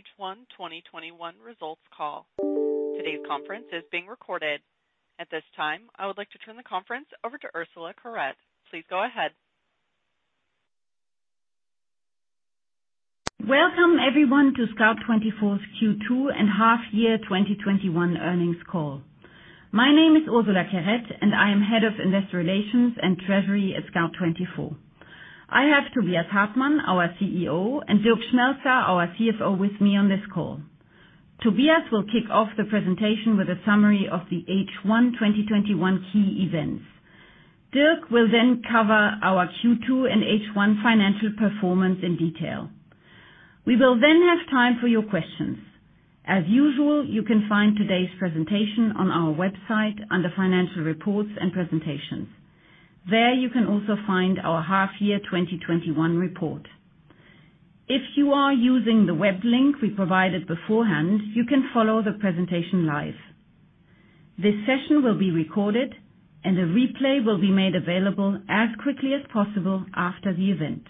H1 2021 results call. Today's conference is being recorded. At this time, I would like to turn the conference over to Ursula Querette. Please go ahead. Welcome everyone to Scout24 Q2 and half year 2021 earnings call. My name is Ursula Querette, and I am Head of Investor Relations and Treasury at Scout24. I have Tobias Hartmann, our CEO, and Dirk Schmelzer, our CFO, with me on this call. Tobias will kick off the presentation with a summary of the H1 2021 key events. Dirk will cover our Q2 and H1 financial performance in detail. We will have time for your questions. As usual, you can find today's presentation on our website under Financial Reports and Presentations. There you can also find our half year 2021 report. If you are using the web link we provided beforehand, you can follow the presentation live. This session will be recorded, and a replay will be made available as quickly as possible after the event.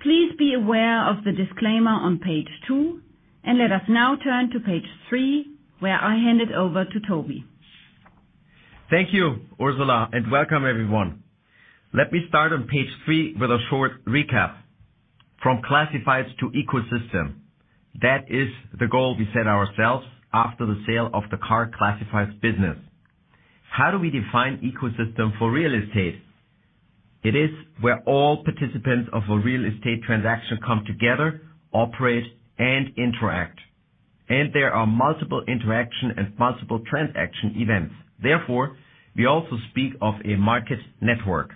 Please be aware of the disclaimer on page two, and let us now turn to page three, where I hand it over to Toby. Thank you, Ursula, and welcome everyone. Let me start on page three with a short recap. From classifieds to ecosystem. That is the goal we set ourselves after the sale of the car classifieds business. How do we define ecosystem for real estate? It is where all participants of a real estate transaction come together, operate, and interact, and there are multiple interaction and multiple transaction events. Therefore, we also speak of a market network.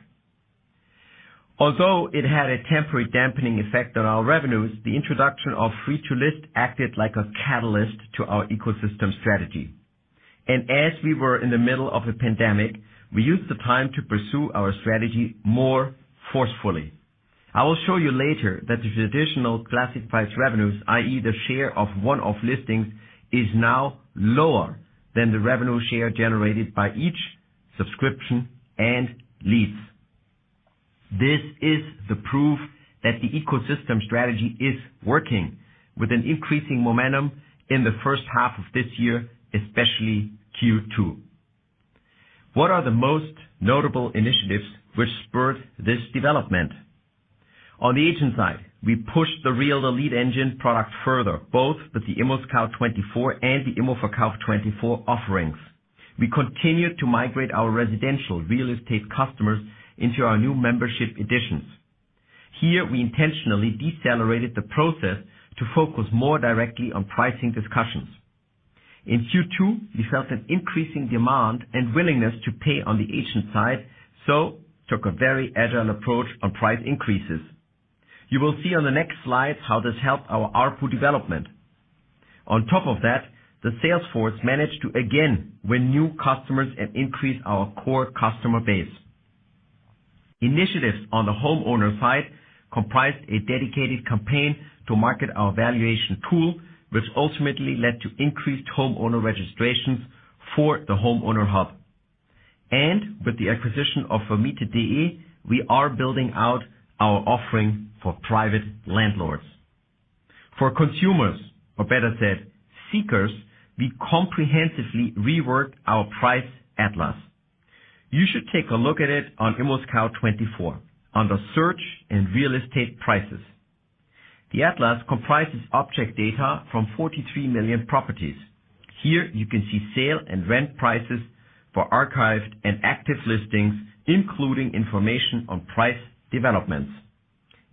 Although it had a temporary dampening effect on our revenues, the introduction of free to list acted like a catalyst to our ecosystem strategy. As we were in the middle of a pandemic, we used the time to pursue our strategy more forcefully. I will show you later that the traditional classifieds revenues, i.e., the share of one-off listings, is now lower than the revenue share generated by each subscription and leads. This is the proof that the ecosystem strategy is working with an increasing momentum in the first half of this year, especially Q2. What are the most notable initiatives which spurred this development? On the agent side, we pushed the Realtor Lead Engine product further, both with the ImmoScout24 and the immoverkauf24 offerings. We continued to migrate our residential real estate customers into our new membership editions. Here, we intentionally decelerated the process to focus more directly on pricing discussions. In Q2, we felt an increasing demand and willingness to pay on the agent side, so took a very agile approach on price increases. You will see on the next slide how this helped our ARPU development. On top of that, the sales force managed to again win new customers and increase our core customer base. Initiatives on the homeowner side comprised a dedicated campaign to market our valuation tool, which ultimately led to increased homeowner registrations for the Homeowner Hub. With the acquisition of Vermietet.de, we are building out our offering for private landlords. For consumers, or better said, seekers, we comprehensively reworked our price atlas. You should take a look at it on ImmoScout24 under Search and Real Estate Prices. The atlas comprises object data from 43 million properties. Here you can see sale and rent prices for archived and active listings, including information on price developments.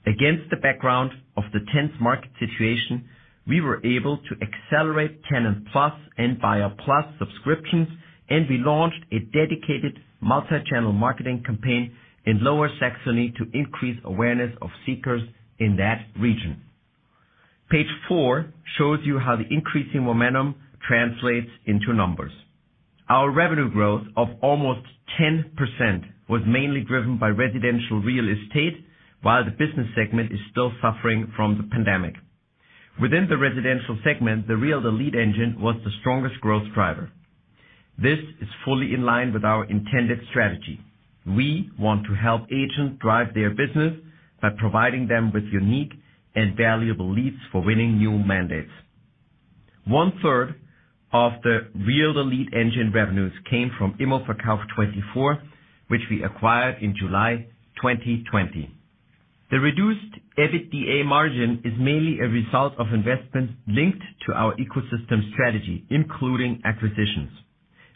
Against the background of the tense market situation, we were able to accelerate TenantPlus and BuyerPlus subscriptions, and we launched a dedicated multi-channel marketing campaign in Lower Saxony to increase awareness of seekers in that region. Page four shows you how the increasing momentum translates into numbers. Our revenue growth of almost 10% was mainly driven by residential real estate, while the business segment is still suffering from the pandemic. Within the residential segment, the Realtor Lead Engine was the strongest growth driver. This is fully in line with our intended strategy. We want to help agents drive their business by providing them with unique and valuable leads for winning new mandates. 1/3 of the Realtor Lead Engine revenues came from immoverkauf24, which we acquired in July 2020. The reduced EBITDA margin is mainly a result of investments linked to our ecosystem strategy, including acquisitions.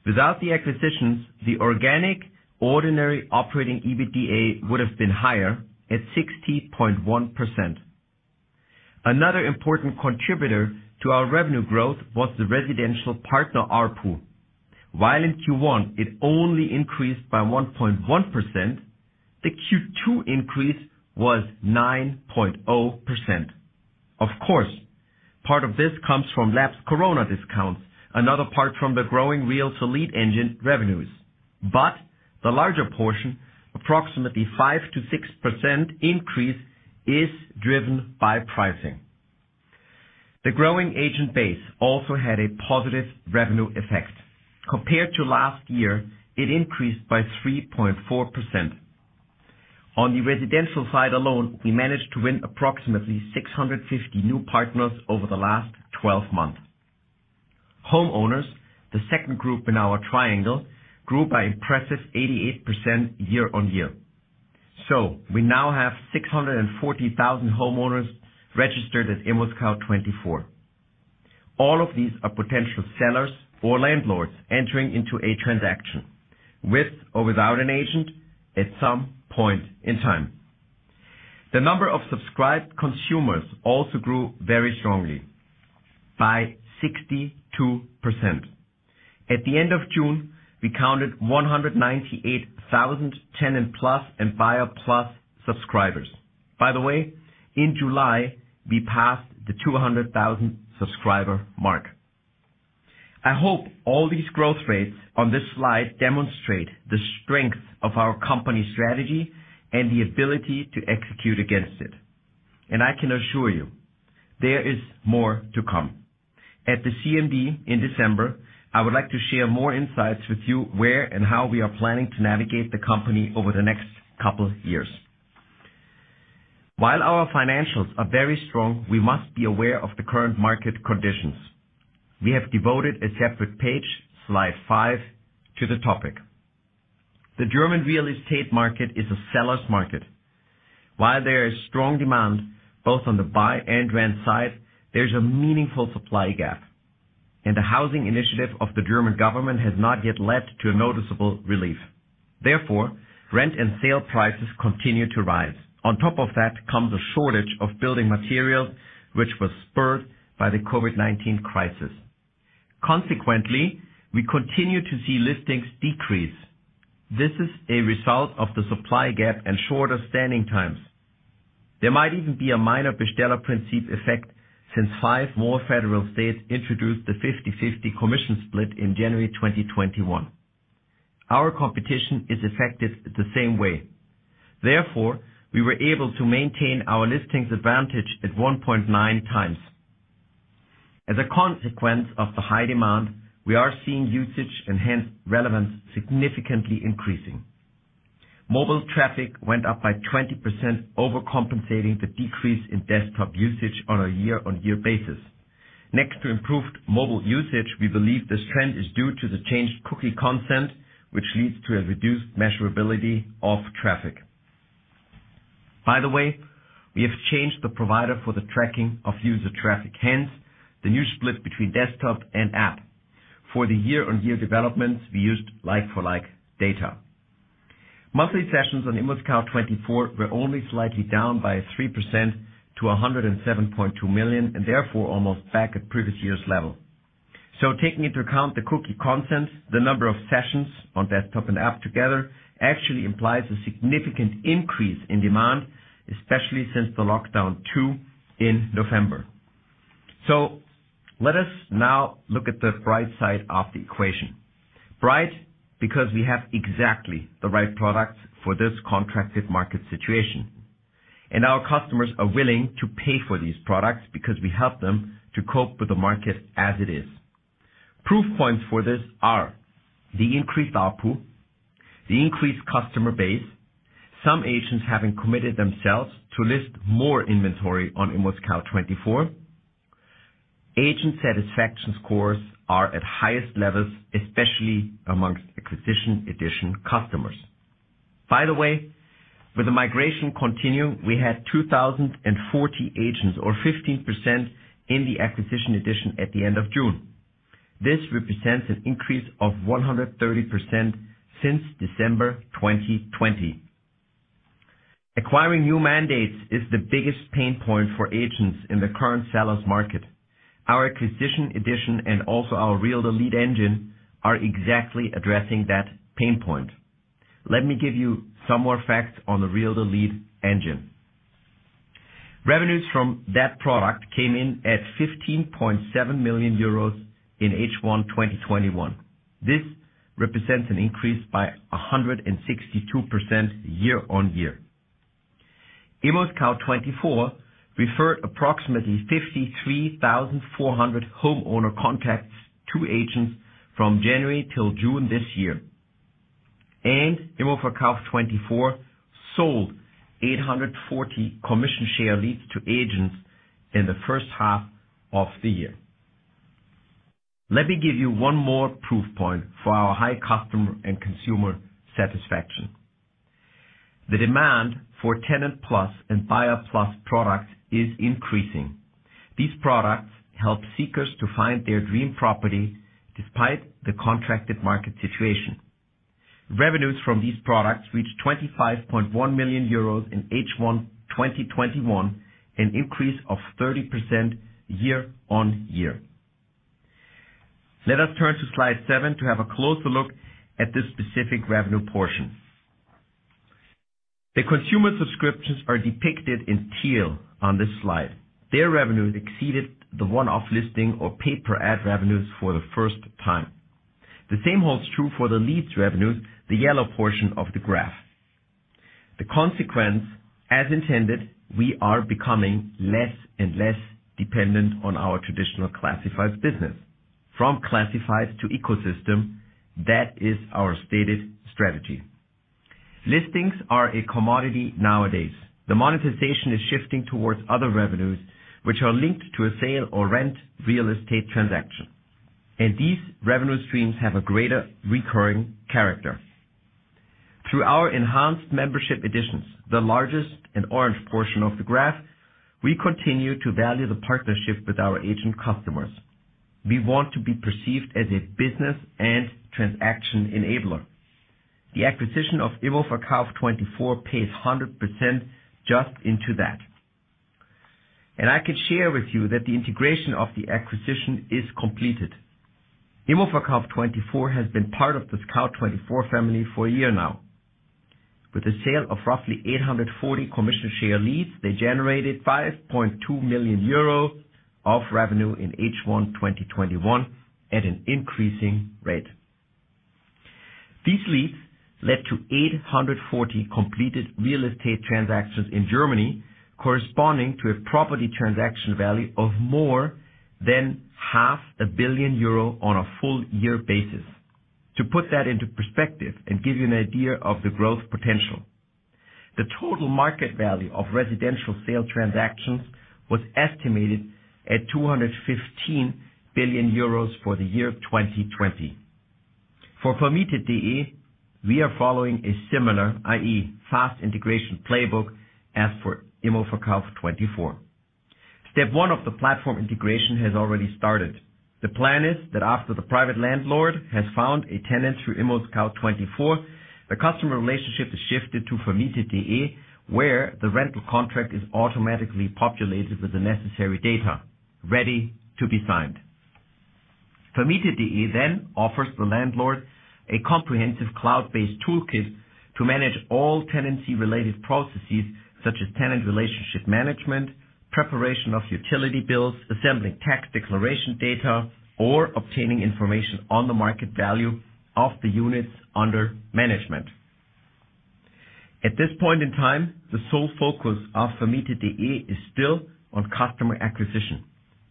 Without the acquisitions, the organic ordinary operating EBITDA would have been higher at 60.1%. Another important contributor to our revenue growth was the residential partner ARPU. While in Q1 it only increased by 1.1%, the Q2 increase was 9.0%. Of course, part of this comes from lapsed corona discounts, another part from the growing Realtor Lead Engine revenues. The larger portion, approximately 5%-6% increase, is driven by pricing. The growing agent base also had a positive revenue effect. Compared to last year, it increased by 3.4%. On the residential side alone, we managed to win approximately 650 new partners over the last 12 months. Homeowners, the second group in our triangle, grew by impressive 88% year-on-year. We now have 640,000 homeowners registered at ImmoScout24. All of these are potential sellers or landlords entering into a transaction with or without an agent at some point in time. The number of subscribed consumers also grew very strongly, by 62%. At the end of June, we counted 198,000 TenantPlus and BuyerPlus subscribers. By the way, in July, we passed the 200,000 subscriber mark. I hope all these growth rates on this slide demonstrate the strength of our company strategy and the ability to execute against it. I can assure you, there is more to come. At the CMD in December, I would like to share more insights with you where and how we are planning to navigate the company over the next couple years. While our financials are very strong, we must be aware of the current market conditions. We have devoted a separate page, slide five, to the topic. The German real estate market is a seller's market. While there is strong demand both on the buy and rent side, there's a meaningful supply gap, and the housing initiative of the German government has not yet led to a noticeable relief. Rent and sale prices continue to rise. On top of that comes a shortage of building materials, which was spurred by the COVID-19 crisis. Consequently, we continue to see listings decrease. This is a result of the supply gap and shorter standing times. There might even be a minor Bestellerprinzip effect since five more federal states introduced the 50/50 commission split in January 2021. Our competition is affected the same way. Therefore, we were able to maintain our listings advantage at 1.9x. As a consequence of the high demand, we are seeing usage and hence relevance significantly increasing. Mobile traffic went up by 20%, overcompensating the decrease in desktop usage on a year-on-year basis. Next to improved mobile usage, we believe this trend is due to the changed cookie consent, which leads to a reduced measurability of traffic. By the way, we have changed the provider for the tracking of user traffic, hence the new split between desktop and app. For the year-on-year developments, we used like-for-like data. Monthly sessions on ImmoScout24 were only slightly down by 3% to 107.2 million and therefore almost back at previous year's level. Taking into account the cookie consents, the number of sessions on desktop and app together actually implies a significant increase in demand, especially since the lockdown two in November. Let us now look at the bright side of the equation. Bright because we have exactly the right products for this contracted market situation, and our customers are willing to pay for these products because we help them to cope with the market as it is. Proof points for this are the increased ARPU, the increased customer base, some agents having committed themselves to list more inventory on ImmoScout24, agent satisfaction scores are at highest levels, especially amongst Acquisition Edition customers. By the way, with the migration continuing, we had 2,040 agents or 15% in the Acquisition Edition at the end of June. This represents an increase of 130% since December 2020. Acquiring new mandates is the biggest pain point for agents in the current sellers market. Our Acquisition Edition and also our Realtor Lead Engine are exactly addressing that pain point. Let me give you some more facts on the Realtor Lead Engine. Revenues from that product came in at 15.7 million euros in H1 2021. This represents an increase by 162% year-on-year. ImmoScout24 referred approximately 53,400 homeowner contacts to agents from January till June this year. ImmoScout24 sold 840 commission share leads to agents in the first half of the year. Let me give you one more proof point for our high customer and consumer satisfaction. The demand for TenantPlus and BuyerPlus products is increasing. These products help seekers to find their dream property despite the contracted market situation. Revenues from these products reached 25.1 million euros in H1 2021, an increase of 30% year-on-year. Let us turn to slide seven to have a closer look at this specific revenue portion. The consumer subscriptions are depicted in teal on this slide. Their revenues exceeded the one-off listing or pay-per-ad revenues for the first time. The same holds true for the leads revenues, the yellow portion of the graph. The consequence, as intended, we are becoming less and less dependent on our traditional classifieds business. From classifieds to ecosystem, that is our stated strategy. Listings are a commodity nowadays. The monetization is shifting towards other revenues which are linked to a sale or rent real estate transaction, and these revenue streams have a greater recurring character. Through our enhanced membership editions, the largest and orange portion of the graph, we continue to value the partnership with our agent customers. We want to be perceived as a business and transaction enabler. The acquisition of immoverkauf24 plays 100% just into that. I can share with you that the integration of the acquisition is completed. immoverkauf24 has been part of the Scout24 family for one year now. With the sale of roughly 840 commission share leads, they generated 5.2 million euro of revenue in H1 2021, at an increasing rate. These leads led to 840 completed real estate transactions in Germany, corresponding to a property transaction value of more than 0.5 billion euro on a full year basis. To put that into perspective and give you an idea of the growth potential, the total market value of residential sale transactions was estimated at 215 billion euros for the year 2020. For Vermietet.de, we are following a similar, i.e., fast integration playbook as for immoverkauf24. Step one of the platform integration has already started. The plan is that after the private landlord has found a tenant through ImmoScout24, the customer relationship is shifted to Vermietet.de, where the rental contract is automatically populated with the necessary data, ready to be signed. Vermietet.de offers the landlord a comprehensive cloud-based toolkit to manage all tenancy-related processes such as tenant relationship management, preparation of utility bills, assembling tax declaration data, or obtaining information on the market value of the units under management. At this point in time, the sole focus of vermietet.de is still on customer acquisition.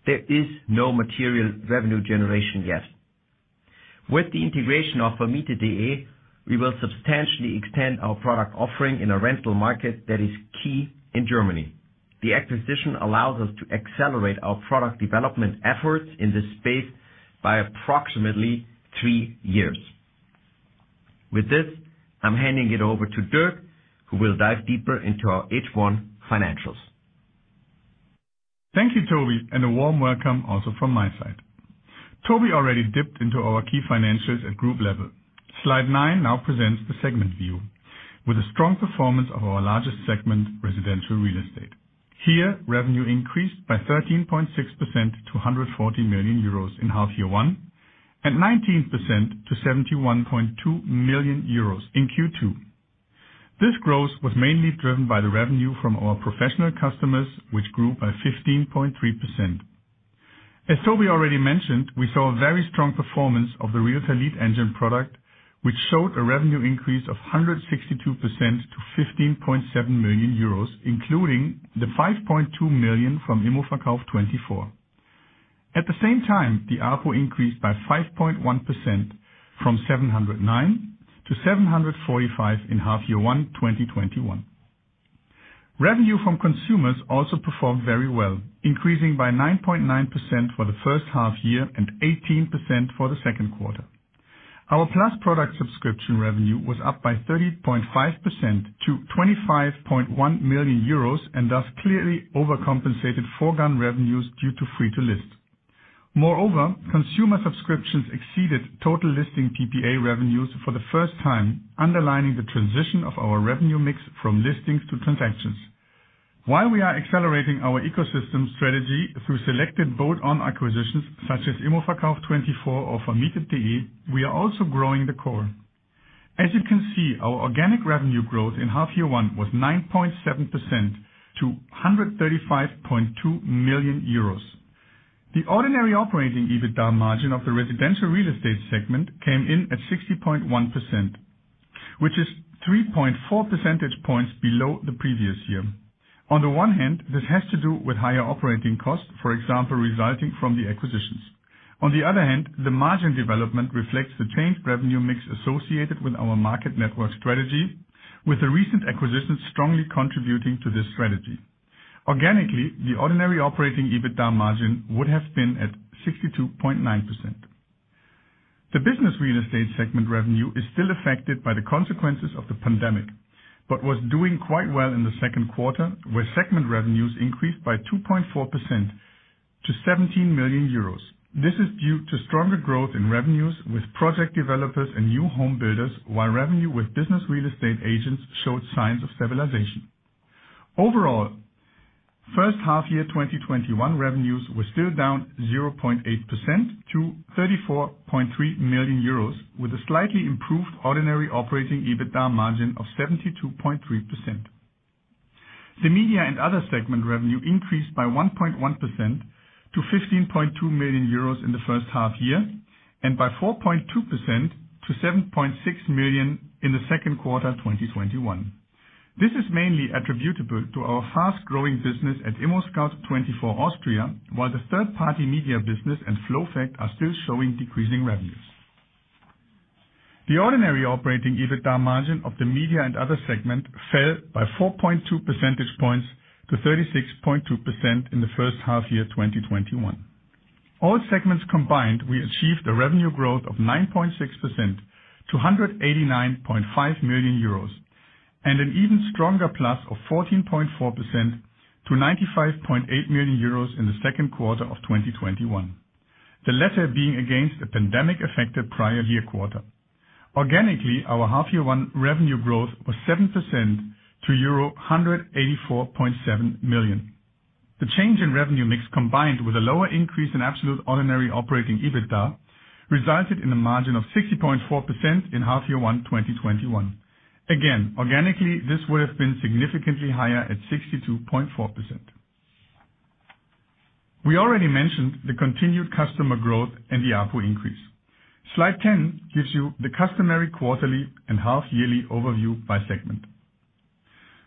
There is no material revenue generation yet. With the integration of vermietet.de, we will substantially extend our product offering in a rental market that is key in Germany. The acquisition allows us to accelerate our product development efforts in this space by approximately three years. With this, I'm handing it over to Dirk, who will dive deeper into our H1 financials. Thank you, Toby, and a warm welcome also from my side. Toby already dipped into our key financials at group level. Slide nine now presents the segment view, with the strong performance of our largest segment, residential real estate. Here, revenue increased by 13.6% to 140 million euros in half year one, and 19% to 71.2 million euros in Q2. This growth was mainly driven by the revenue from our professional customers, which grew by 15.3%. As Toby already mentioned, we saw a very strong performance of the Realtor Lead Engine product, which showed a revenue increase of 162% to 15.7 million euros, including the 5.2 million from immoverkauf24. At the same time, the ARPU increased by 5.1% from 709 to 745 in H1 2021. Revenue from consumers also performed very well, increasing by 9.9% for the first half year and 18% for the second quarter. Our Plus product subscription revenue was up by 30.5% to 25.1 million euros, and thus clearly overcompensated foregone revenues due to free to list. Moreover, consumer subscriptions exceeded total listing PPA revenues for the first time, underlining the transition of our revenue mix from listings to transactions. While we are accelerating our ecosystem strategy through selected bolt-on acquisitions such as immoverkauf24 or Vermietet.de, we are also growing the core. As you can see, our organic revenue growth in half year one was 9.7% to 135.2 million euros. The ordinary operating EBITDA margin of the residential real estate segment came in at 60.1%, which is 3.4 percentage points below the previous year. On the one hand, this has to do with higher operating costs, for example resulting from the acquisitions. On the other hand, the margin development reflects the changed revenue mix associated with our market network strategy, with the recent acquisitions strongly contributing to this strategy. Organically, the ordinary operating EBITDA margin would have been at 62.9%. The business real estate segment revenue is still affected by the consequences of the pandemic, but was doing quite well in the second quarter, where segment revenues increased by 2.4% to 17 million euros. This is due to stronger growth in revenues with project developers and new home builders, while revenue with business real estate agents showed signs of stabilization. Overall, first half year 2021 revenues were still down 0.8% to 34.3 million euros, with a slightly improved ordinary operating EBITDA margin of 72.3%. The media and other segment revenue increased by 1.1% to 15.2 million euros in the first half year, and by 4.2% to 7.6 million in the second quarter 2021. This is mainly attributable to our fast-growing business at ImmoScout24 Austria, while the third-party media business and FLOWFACT are still showing decreasing revenues. The ordinary operating EBITDA margin of the media and other segment fell by 4.2 percentage points to 36.2% in the first half year 2021. All segments combined, we achieved a revenue growth of 9.6% to 189.5 million euros and an even stronger plus of 14.4% to 95.8 million euros in the second quarter of 2021, the latter being against a pandemic-affected prior year quarter. Organically, our half year one revenue growth was 7% to euro 184.7 million. The change in revenue mix, combined with a lower increase in absolute ordinary operating EBITDA, resulted in a margin of 60.4% in H1 2021. Organically, this would have been significantly higher at 62.4%. We already mentioned the continued customer growth and the ARPU increase. Slide 10 gives you the customary quarterly and half yearly overview by segment.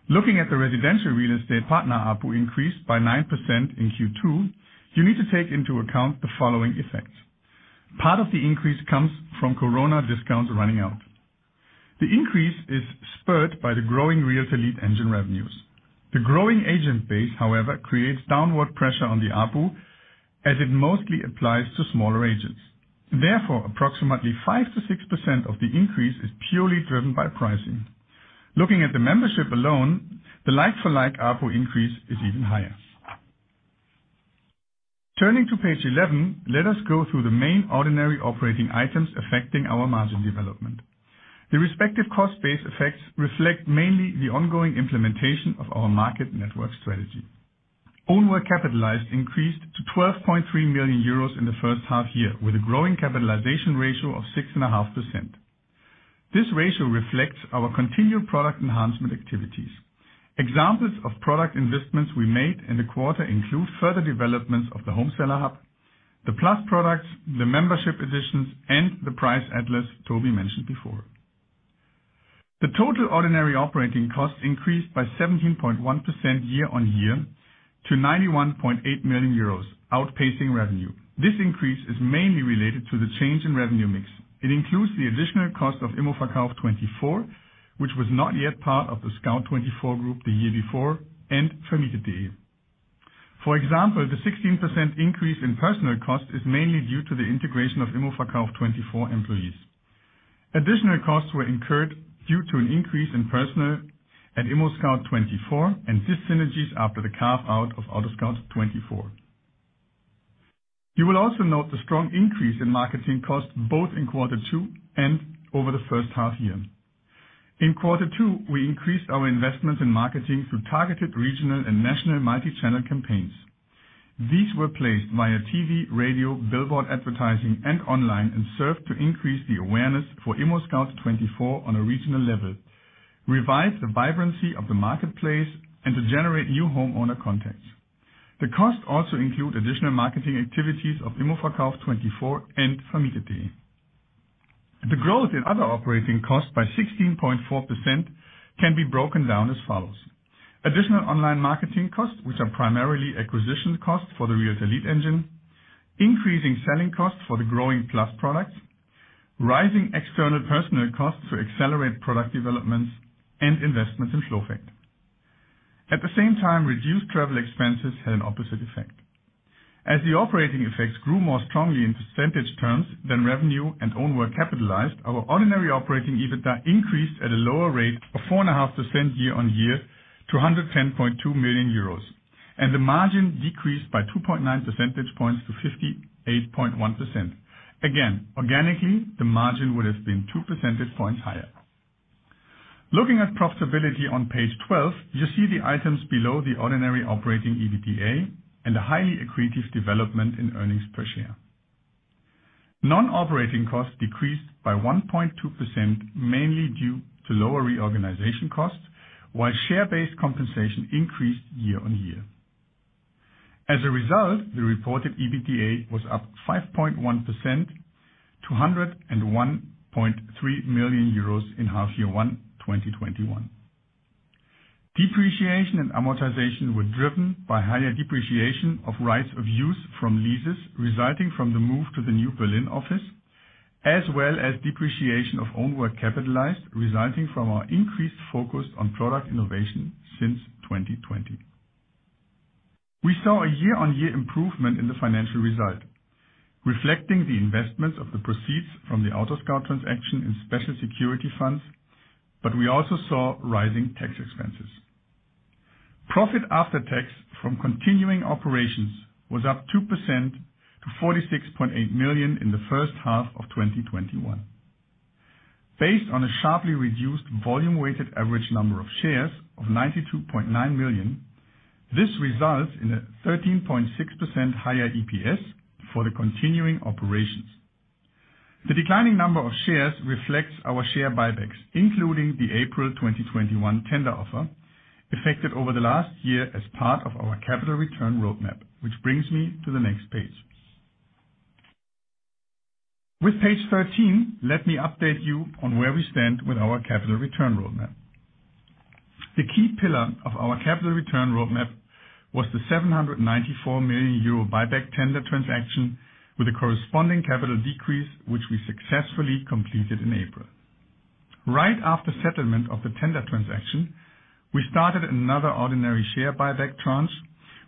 Looking at the residential real estate partner ARPU increase by 9% in Q2, you need to take into account the following effects. Part of the increase comes from corona discounts running out. The increase is spurred by the growing Realtor Lead Engine revenues. The growing agent base, however, creates downward pressure on the ARPU, as it mostly applies to smaller agents. Therefore, approximately 5%-6% of the increase is purely driven by pricing. Looking at the membership alone, the like-for-like ARPU increase is even higher. Turning to page 11, let us go through the main ordinary operating items affecting our margin development. The respective cost base effects reflect mainly the ongoing implementation of our market network strategy. Own work capitalized increased to 12.3 million euros in the first half year, with a growing capitalization ratio of 6.5%. This ratio reflects our continued product enhancement activities. Examples of product investments we made in the quarter include further developments of the Home Seller Hub, the plus products, the membership editions, and the price atlas Toby mentioned before. The total ordinary operating costs increased by 17.1% year-on-year to 91.8 million euros, outpacing revenue. This increase is mainly related to the change in revenue mix. It includes the additional cost of immoverkauf24, which was not yet part of the Scout24 group the year before, and Vermietet.de. For example, the 16% increase in personnel costs is mainly due to the integration of immoverkauf24 employees. Additional costs were incurred due to an increase in personnel at ImmoScout24 and dyssynergies after the carve-out of AutoScout24. You will also note the strong increase in marketing costs both in Q2 and over the first half-year. In Q2, we increased our investments in marketing through targeted regional and national multi-channel campaigns. These were placed via TV, radio, billboard advertising, and online, and served to increase the awareness for ImmoScout24 on a regional level, revise the vibrancy of the marketplace, and to generate new homeowner contacts. The costs also include additional marketing activities of immoverkauf24 and Vermietet.de. The growth in other operating costs by 16.4% can be broken down as follows: Additional online marketing costs, which are primarily acquisition costs for the Realtor Lead Engine, increasing selling costs for the growing Plus products, rising external personnel costs to accelerate product developments, and investments in FLOWFACT. At the same time, reduced travel expenses had an opposite effect. As the operating effects grew more strongly in percentage terms than revenue and own work capitalized, our ordinary operating EBITDA increased at a lower rate of 4.5% year-on-year to 110.2 million euros. The margin decreased by 2.9 percentage points to 58.1%. Again, organically, the margin would have been two percentage points higher. Looking at profitability on page 12, you see the items below the ordinary operating EBITDA and the highly accretive development in earnings per share. Non-operating costs decreased by 1.2%, mainly due to lower reorganization costs, while share-based compensation increased year-on-year. As a result, the reported EBITDA was up 5.1% to 101.3 million euros in H1 2021. Depreciation and amortization were driven by higher depreciation of rights of use from leases resulting from the move to the new Berlin office, as well as depreciation of own work capitalized, resulting from our increased focus on product innovation since 2020. We saw a year-on-year improvement in the financial result, reflecting the investments of the proceeds from the AutoScout transaction in special security funds, but we also saw rising tax expenses. Profit after tax from continuing operations was up 2% to 46.8 million in the first half of 2021. Based on a sharply reduced volume weighted average number of shares of 92.9 million, this results in a 13.6% higher EPS for the continuing operations. The declining number of shares reflects our share buybacks, including the April 2021 tender offer effected over the last year as part of our Capital Return Roadmap, which brings me to the next page. With page 13, let me update you on where we stand with our Capital Return Roadmap. The key pillar of our Capital Return Roadmap was the 794 million euro buyback tender transaction with a corresponding capital decrease, which we successfully completed in April. Right after settlement of the tender transaction, we started another ordinary share buyback tranche,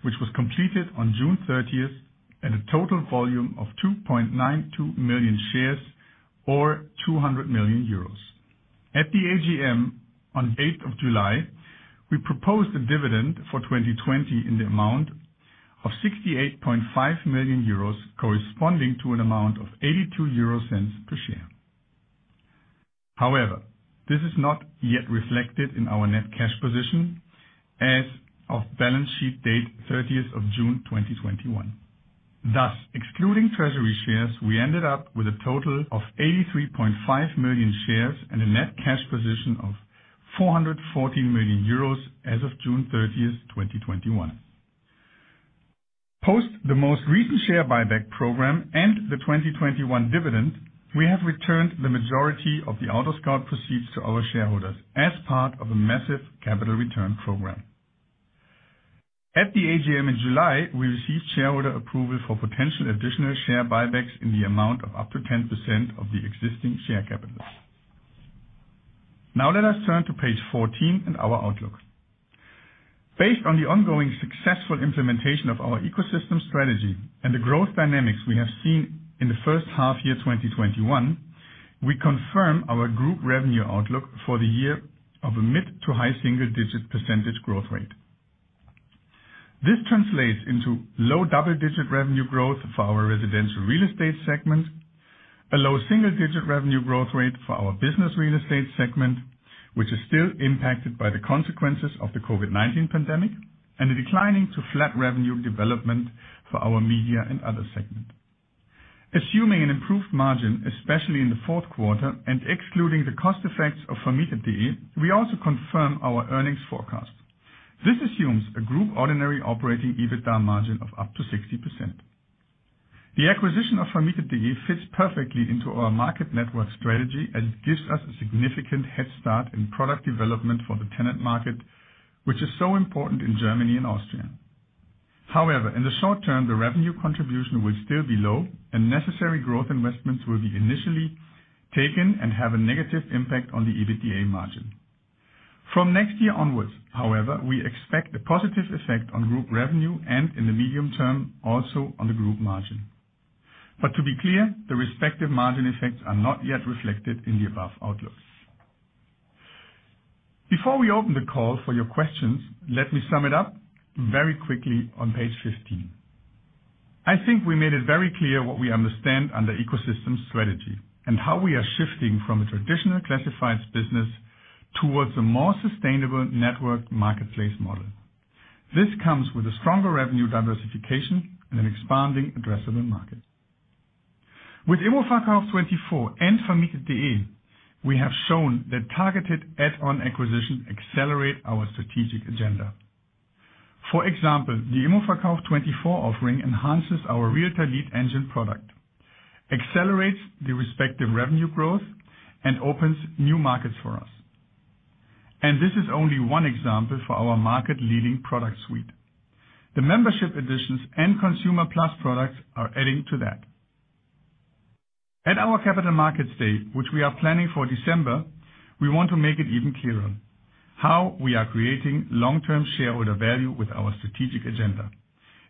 which was completed on June 30th at a total volume of 2.92 million shares or 200 million euros. At the AGM on the July 8th, we proposed a dividend for 2020 in the amount of 68.5 million euros, corresponding to an amount of 0.82 per share. However, this is not yet reflected in our net cash position as of balance sheet date June 30th, 2021. Excluding treasury shares, we ended up with a total of 83.5 million shares and a net cash position of 414 million euros as of June 30th, 2021. Post the most recent share buyback program and the 2021 dividend, we have returned the majority of the AutoScout24 proceeds to our shareholders as part of a massive capital return program. At the AGM in July, we received shareholder approval for potential additional share buybacks in the amount of up to 10% of the existing share capital. Let us turn to page 14 and our outlook. Based on the ongoing successful implementation of our ecosystem strategy and the growth dynamics we have seen in the first half year 2021, we confirm our group revenue outlook for the year of a mid to high single-digit percentage growth rate. This translates into low double-digit revenue growth for our residential real estate segment, a low single-digit revenue growth rate for our business real estate segment, which is still impacted by the consequences of the COVID-19 pandemic, and a declining to flat revenue development for our media and other segment. Assuming an improved margin, especially in the fourth quarter and excluding the cost effects of Vermietet.de, we also confirm our earnings forecast. This assumes a group ordinary operating EBITDA margin of up to 60%. The acquisition of Vermietet.de fits perfectly into our market network strategy as it gives us a significant head start in product development for the tenant market, which is so important in Germany and Austria. In the short term, the revenue contribution will still be low and necessary growth investments will be initially taken and have a negative impact on the EBITDA margin. From next year onwards, however, we expect a positive effect on group revenue and in the medium term, also on the group margin. To be clear, the respective margin effects are not yet reflected in the above outlooks. Before we open the call for your questions, let me sum it up very quickly on page 15. I think we made it very clear what we understand under ecosystem strategy and how we are shifting from a traditional classifieds business towards a more sustainable network marketplace model. This comes with a stronger revenue diversification and an expanding addressable market. With immoverkauf24 and Vermietet.de, we have shown that targeted add-on acquisitions accelerate our strategic agenda. For example, the immoverkauf24 offering enhances our Realtor Lead Engine product, accelerates the respective revenue growth, and opens new markets for us. This is only one example for our market leading product suite. The membership editions and consumer Plus products are adding to that. At our Capital Markets Day, which we are planning for December, we want to make it even clearer how we are creating long-term shareholder value with our strategic agenda.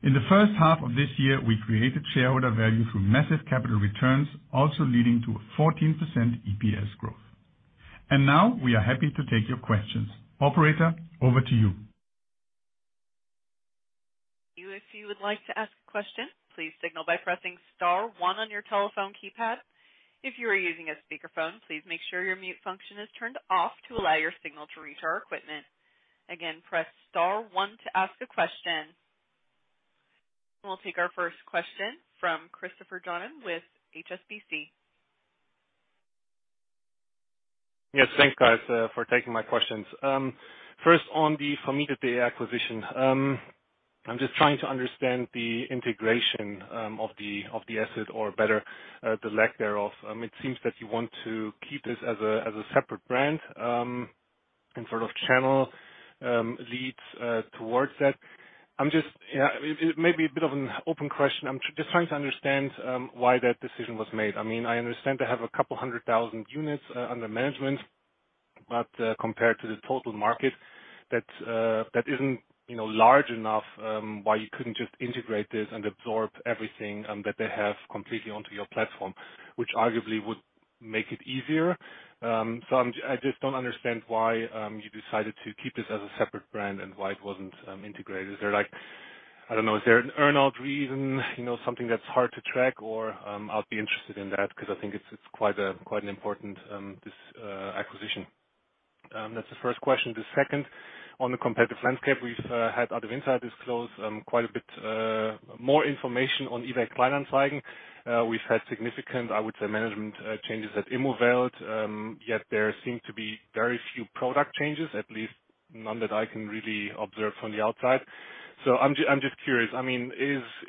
In the first half of this year, we created shareholder value through massive capital returns, also leading to a 14% EPS growth. Now we are happy to take your questions. Operator, over to you. If you would like to ask a question, please signal by pressing star on your telephone keypad. If you're using a speakerphone, please make sure your mute function is turned off to allow your signal to reach our equipment. Again press star one to ask a question. We'll take our first question from Christopher Johnen with HSBC. Thanks, guys, for taking my questions. First, on the Vermietet.de acquisition. I'm just trying to understand the integration of the asset or better, the lack thereof. It seems that you want to keep this as a separate brand, and sort of channel leads towards that. It may be a bit of an open question. I'm just trying to understand why that decision was made. I understand they have a couple hundred thousand units under management, but compared to the total market, that isn't large enough why you couldn't just integrate this and absorb everything that they have completely onto your platform, which arguably would make it easier. I just don't understand why you decided to keep this as a separate brand and why it wasn't integrated. Is there an earn-out reason, something that's hard to track or? I'll be interested in that because I think it's quite an important acquisition. That's the first question. The second, on the competitive landscape. We've had other insiders disclose quite a bit more information on eBay Kleinanzeigen. We've had significant, I would say, management changes at Immowelt, yet there seem to be very few product changes, at least none that I can really observe from the outside. I'm just curious,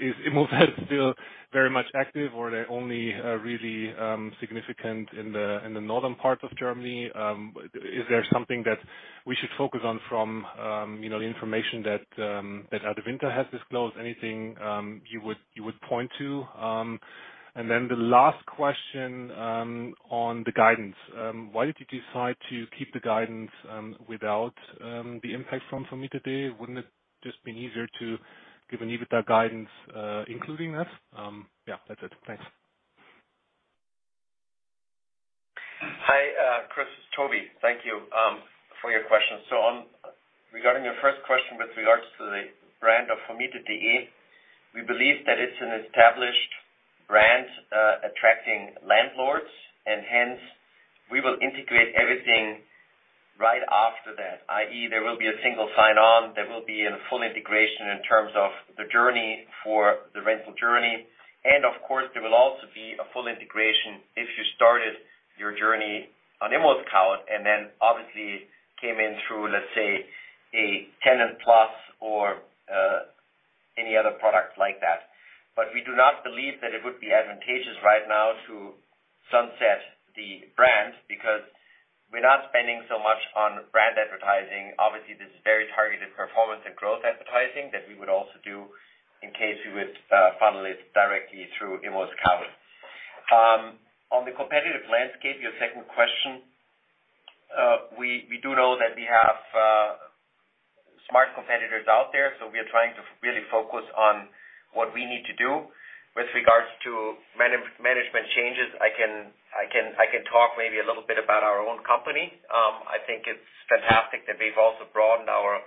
is ImmoScout24 still very much active, or are they only really significant in the northern parts of Germany? Is there something that we should focus on from the information that Adler Group has disclosed? Anything you would point to? The last question on the guidance. Why did you decide to keep the guidance without the impact from Vermietet.de? Wouldn't it just been easier to give an EBITDA guidance including that? Yeah, that's it. Thanks. Hi, Chris. It's Toby. Thank you for your questions. Regarding your first question with regards to the brand of Homeday, we believe that it's an established brand attracting landlords, and hence, we will integrate everything right after that, i.e., there will be a single sign-on, there will be a full integration in terms of the journey for the rental journey. Of course, there will also be a full integration if you started your journey on ImmoScout24 and then obviously came in through, let's say, a TenantPlus or any other product like that. We do not believe that it would be advantageous right now to sunset the brand because we're not spending so much on brand advertising. Obviously, this is very targeted performance and growth advertising that we would also do in case we would funnel it directly through ImmoScout24. On the competitive landscape, your second question. We do know that we have smart competitors out there, so we are trying to really focus on what we need to do. With regards to management changes, I can talk maybe a little bit about our own company. I think it's fantastic that we've also broadened our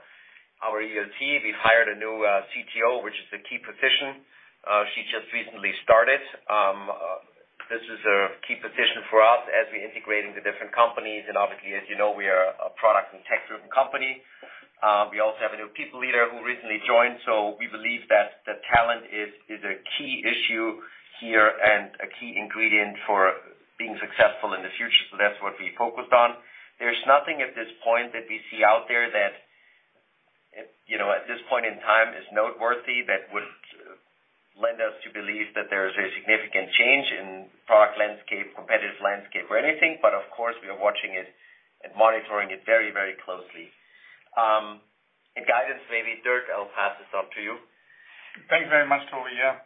ELT. We've hired a new CTO, which is the key position. She just recently started. This is a key position for us as we're integrating the different companies. Obviously, as you know, we are a product and tech-driven company. We also have a new people leader who recently joined. We believe that the talent is a key issue here and a key ingredient for being successful in the future. That's what we focused on. There's nothing at this point that we see out there that at this point in time is noteworthy that would lend us to believe that there is a significant change in product landscape, competitive landscape or anything. Of course, we are watching it and monitoring it very closely. Guidance, maybe, Dirk, I'll pass this on to you. Thanks very much, Toby. Yeah.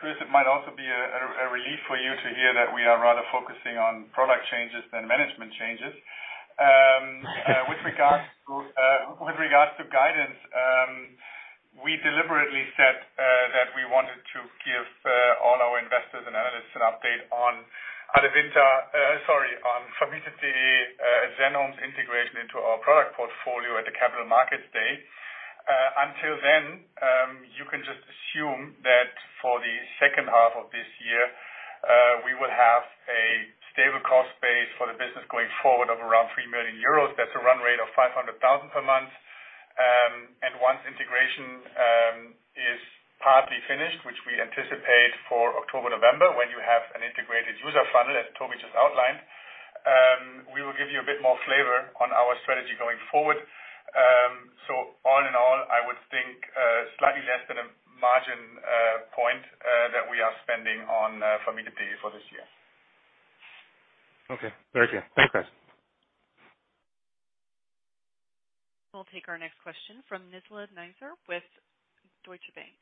Chris, it might also be a relief for you to hear that we are rather focusing on product changes than management changes. With regards to guidance, we deliberately said that we wanted to give all our investors and analysts an update on Homeday, Zenhomes integration into our product portfolio at the Capital Markets Day. Until then, you can just assume that for the second half of this year, we will have a stable cost base for the business going forward of around 3 million euros. That's a run rate of 500,000 per month. Once integration is partly finished, which we anticipate for October, November, when you have an integrated user funnel, as Toby just outlined, we will give you a bit more flavor on our strategy going forward. All in all, I would think slightly less than a margin point that we are spending on Homeday for this year. Okay. Very clear. Thanks, guys. We'll take our next question from Nizla Naizer with Deutsche Bank.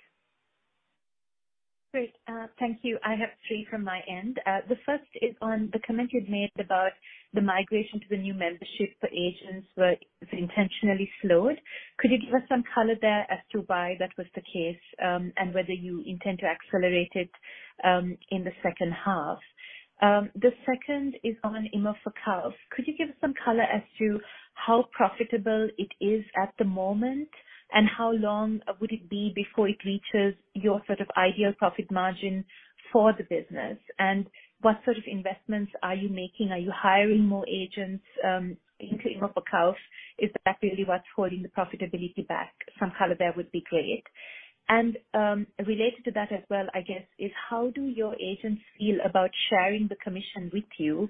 Great. Thank you. I have three from my end. The first is on the comment you'd made about the migration to the new membership for agents were intentionally slowed. Could you give us some color there as to why that was the case, and whether you intend to accelerate it in the second half? The second is on immoverkauf24. Could you give us some color as to how profitable it is at the moment, and how long would it be before it reaches your sort of ideal profit margin for the business? What sort of investments are you making? Are you hiring more agents into immoverkauf24? Is that really what's holding the profitability back? Some color there would be great. Related to that as well, I guess, is how do your agents feel about sharing the commission with you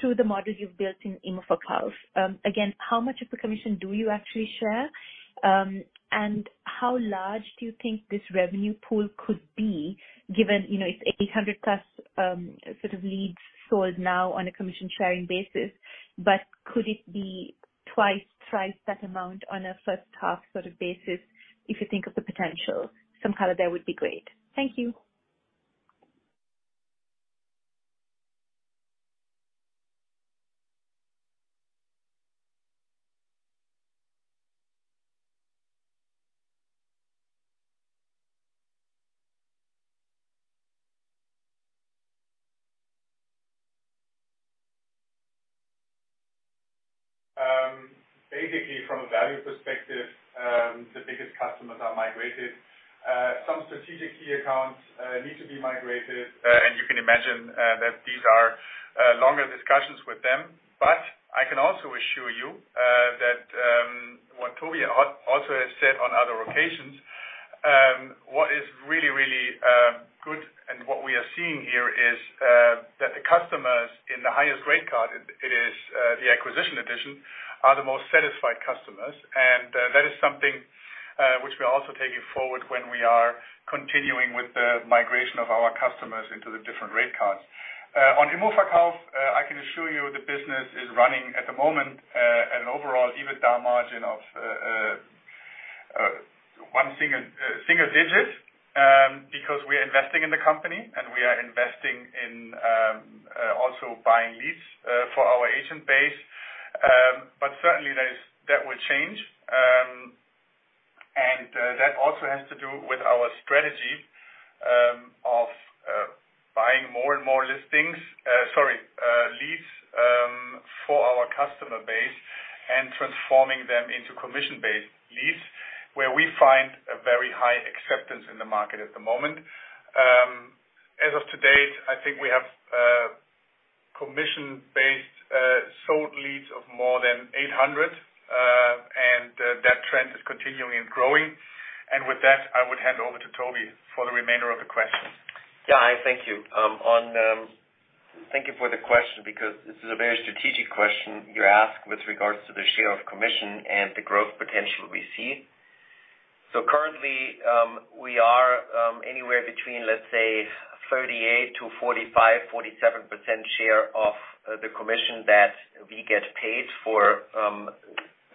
through the model you've built in immoverkauf24? Again, how much of the commission do you actually share? How large do you think this revenue pool could be given it's 800+ sort of leads sold now on a commission sharing basis, but could it be twice, thrice that amount on a first half sort of basis if you think of the potential? Some color there would be great. Thank you. Basically, from a value perspective, the biggest customers are migrated. Some strategic key accounts need to be migrated, and you can imagine that these are longer discussions with them. I can also assure you that what Toby also has said on other What is really good and what we are seeing here is that the customers in the highest rate card, it is the Acquisition Edition, are the most satisfied customers. That is something which we are also taking forward when we are continuing with the migration of our customers into the different rate cards. On ImmoVerkauf, I can assure you the business is running at the moment at an overall EBITDA margin of one single digit because we are investing in the company, and we are investing in also buying leads for our agent base. Certainly, that will change. That also has to do with our strategy of buying more and more listings-- sorry, leads for our customer base and transforming them into commission-based leads where we find a very high acceptance in the market at the moment. As of to date, I think we have commission-based sold leads of more than 800, and that trend is continuing and growing. With that, I would hand over to Toby for the remainder of the questions. Yeah. Thank you. Thank you for the question because this is a very strategic question you ask with regards to the share of commission and the growth potential we see. Currently, we are anywhere between, let's say, 38%-45%, 47% share of the commission that we get paid for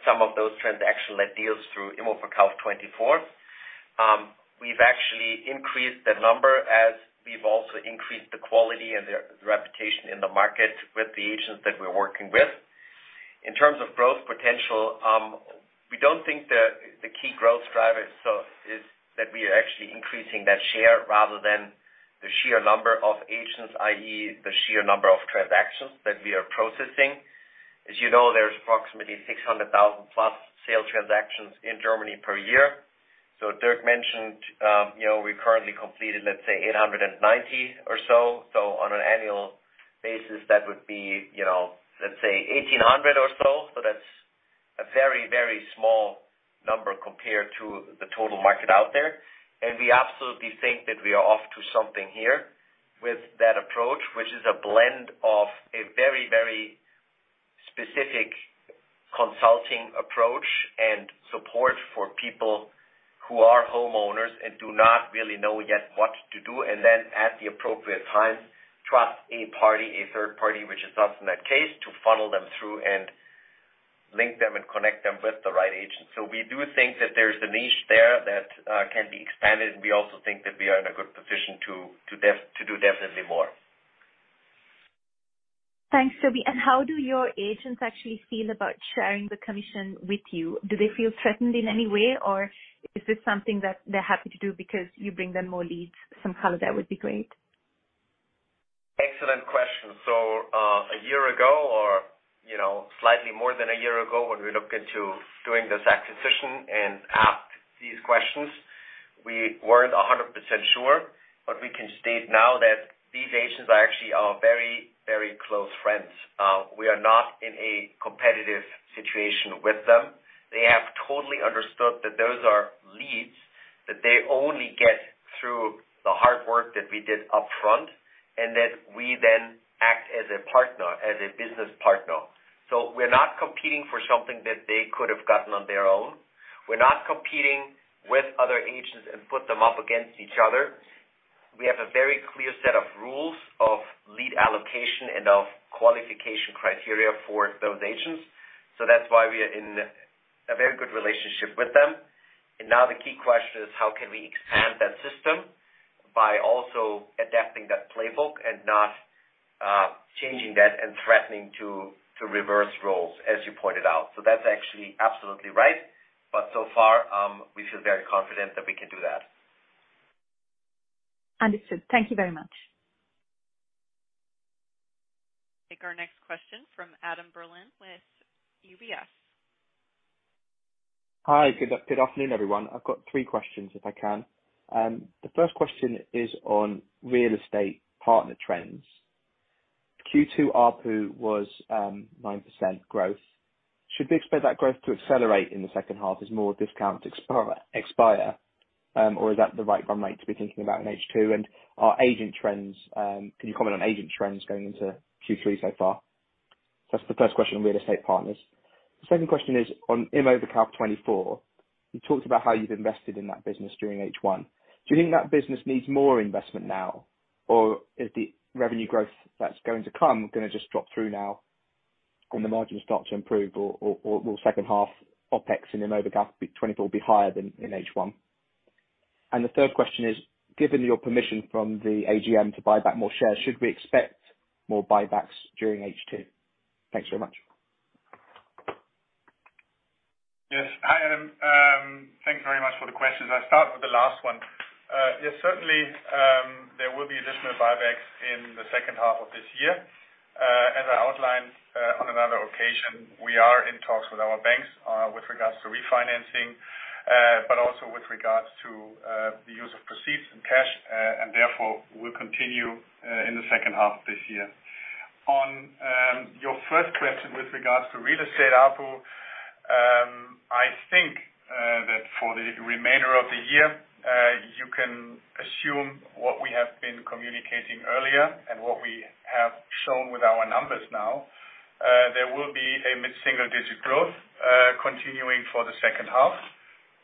some of those transaction-led deals through immoverkauf24. We've actually increased that number as we've also increased the quality and the reputation in the market with the agents that we're working with. In terms of growth potential, we don't think the key growth driver is that we are actually increasing that share rather than the sheer number of agents, i.e., the sheer number of transactions that we are processing. As you know, there's approximately 600,000+ sale transactions in Germany per year. Dirk mentioned we currently completed, let's say, 890 or so. On an annual basis, that would be let's say 1,800 or so. That's a very small number compared to the total market out there. We absolutely think that we are off to something here with that approach, which is a blend of a very specific consulting approach and support for people who are homeowners and do not really know yet what to do, and then at the appropriate time, trust a party, a third party, which is us in that case, to funnel them through and link them and connect them with the right agent. We do think that there's a niche there that can be expanded, and we also think that we are in a good position to do definitely more. Thanks, Tobi. How do your agents actually feel about sharing the commission with you? Do they feel threatened in any way, or is this something that they're happy to do because you bring them more leads? Some color there would be great. Excellent question. A year ago or slightly more than a year ago when we looked into doing this acquisition and asked these questions, we weren't 100% sure, but we can state now that these agents are actually our very close friends. We are not in a competitive situation with them. They have totally understood that those are leads that they only get through the hard work that we did upfront, and that we then act as a business partner. We're not competing for something that they could have gotten on their own. We're not competing with other agents and put them up against each other. We have a very clear set of rules of lead allocation and of qualification criteria for those agents. That's why we are in a very good relationship with them. Now the key question is how can we expand that system by also adapting that playbook and not changing that and threatening to reverse roles, as you pointed out. That's actually absolutely right. So far, we feel very confident that we can do that. Understood. Thank you very much. Take our next question from Adam Berlin with UBS. Hi. Good afternoon, everyone. I've got three questions if I can. The first question is on real estate partner trends. Q2 ARPU was 9% growth. Should we expect that growth to accelerate in the second half as more discounts expire? Is that the right run rate to be thinking about in H2? Can you comment on agent trends going into Q3 so far? That's the first question on real estate partners. The second question is on immoverkauf24. You talked about how you've invested in that business during H1. Do you think that business needs more investment now, or is the revenue growth that's going to come going to just drop through now and the margin start to improve, or will second half OpEx in immoverkauf24 be higher than in H1? The third question is, given your permission from the AGM to buy back more shares, should we expect more buybacks during H2? Thanks very much. Hi, Adam. Thanks very much for the questions. I'll start with the last one. Certainly, there will be additional buybacks in the second half of this year. As I outlined on another occasion, we are in talks with our banks with regards to refinancing, but also with regards to the use of cash, and therefore will continue in the second half of this year. On your first question with regards to real estate ARPU, I think that for the remainder of the year, you can assume what we have been communicating earlier and what we have shown with our numbers now. There will be a mid-single-digit growth continuing for the second half.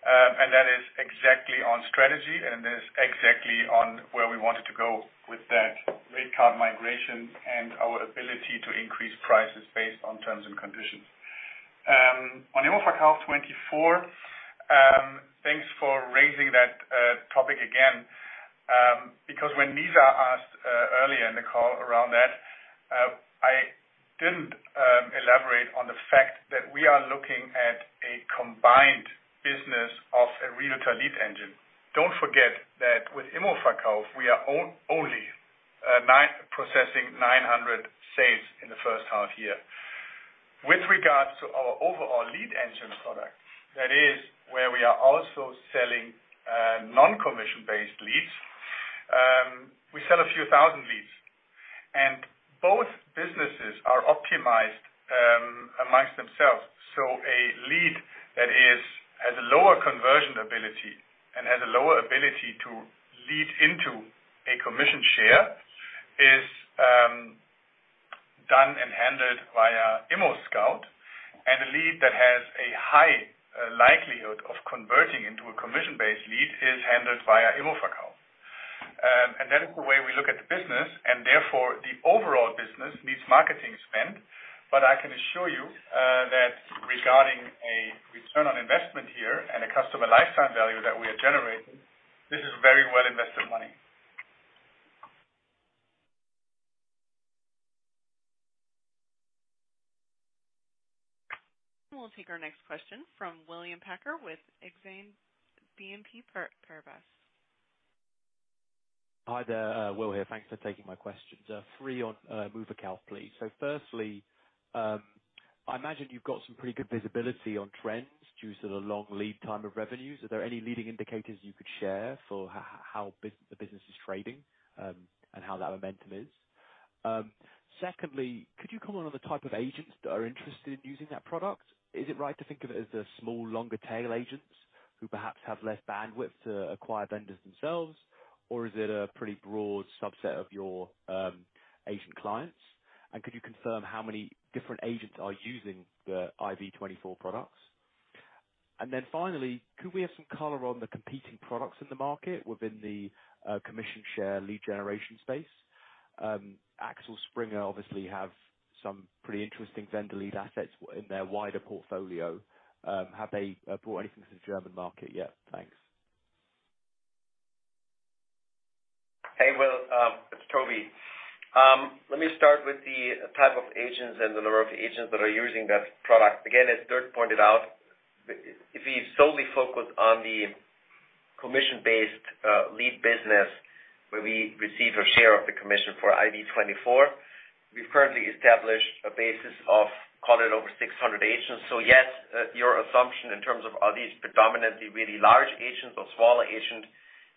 That is exactly on strategy, and that is exactly on where we wanted to go with that rate card migration and our ability to increase prices based on terms and conditions. On immoverkauf24, thanks for raising that topic again. When Nizla Naizer asked earlier in the call around that, I didn't elaborate on the fact that we are looking at a combined business of a Realtor Lead Engine. Don't forget that with immoverkauf24, we are only processing 900 sales in the first half year. With regards to our overall lead engine product, that is where we are also selling non-commission-based leads. We sell a few thousand leads. Both businesses are optimized amongst themselves. A lead that has a lower conversion ability and has a lower ability to lead into a commission share is done and handled via ImmoScout24. A lead that has a high likelihood of converting into a commission-based lead is handled via immoverkauf24. That is the way we look at the business, and therefore the overall business needs marketing spend. I can assure you that regarding a return on investment here and a customer lifetime value that we are generating, this is very well-invested money. We'll take our next question from William Packer with Exane BNP Paribas. Hi there. Will here. Thanks for taking my questions. three on immoverkauf24, please. Firstly, I imagine you've got some pretty good visibility on trends due to the long lead time of revenues. Are there any leading indicators you could share for how the business is trading and how that momentum is? Secondly, could you comment on the type of agents that are interested in using that product? Is it right to think of it as the small, longer tail agents who perhaps have less bandwidth to acquire vendors themselves, or is it a pretty broad subset of your agent clients? Could you confirm how many different agents are using the immoverkauf24 products? Finally, could we have some color on the competing products in the market within the commission share lead generation space? Axel Springer obviously have some pretty interesting vendor lead assets in their wider portfolio. Have they brought anything to the German market yet? Thanks. Hey, Will. It's Tobi. Let me start with the type of agents and the number of agents that are using that product. Again, as Dirk pointed out, if we solely focus on the commission-based lead business where we receive a share of the commission for immoverkauf24, we've currently established a basis of call it over 600 agents. Yes, your assumption in terms of are these predominantly really large agents or smaller agents,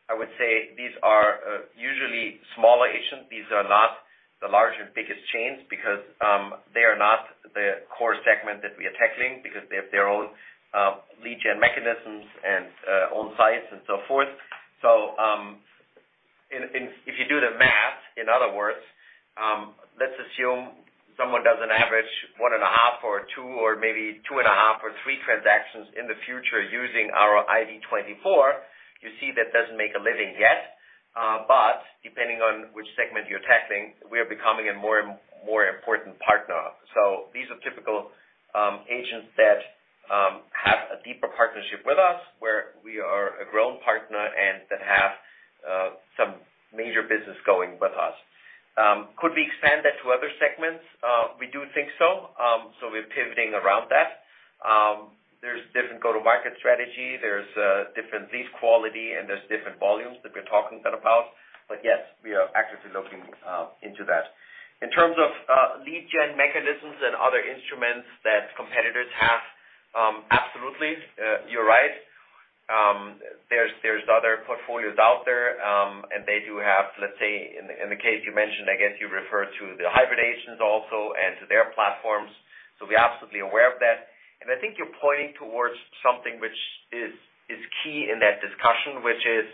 I would say these are usually smaller agents. These are not the large and biggest chains because they are not the core segment that we are tackling because they have their own lead gen mechanisms and own sites and so forth. If you do the math, in other words, let's assume someone does an average 1.5 or 2 or maybe 2.5 or 3 transactions in the future using our immoverkauf24, you see that doesn't make a living yet. Depending on which segment you're tackling, we are becoming a more important partner. These are typical agents that have a deeper partnership with us, where we are a grown partner and that have some major business going with us. Could we expand that to other segments? We do think so. We're pivoting around that. There's different go-to-market strategy, there's different lead quality, and there's different volumes that we're talking then about. Yes, we are actively looking into that. In terms of lead gen mechanisms and other instruments that competitors have, absolutely, you're right. There's other portfolios out there, and they do have, let's say, in the case you mentioned, I guess you refer to the hybrid agents also and to their platforms. We're absolutely aware of that. I think you're pointing towards something which is key in that discussion, which is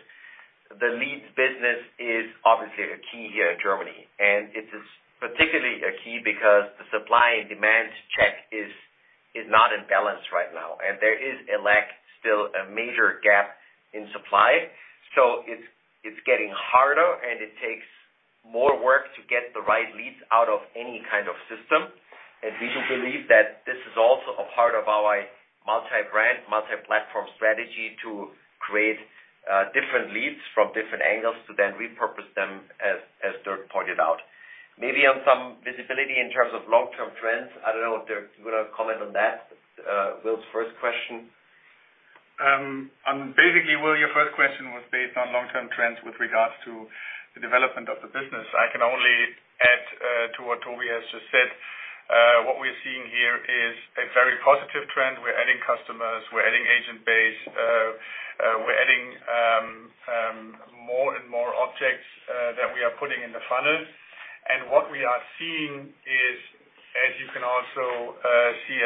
the leads business is obviously a key here in Germany. It is particularly a key because the supply and demand check is not in balance right now. There is a lack still, a major gap in supply. It's getting harder, and it takes more work to get the right leads out of any kind of system. We do believe that this is also a part of our multi-brand, multi-platform strategy to create different leads from different angles to then repurpose them as Dirk pointed out. Maybe on some visibility in terms of long-term trends, I don't know if Dirk would want to comment on that, Will's first question. Basically, Will, your first question was based on long-term trends with regards to the development of the business. I can only add to what Tobi has just said. What we're seeing here is a very positive trend. We're adding customers, we're adding agent base, we're adding more and more objects that we are putting in the funnel. As you can also see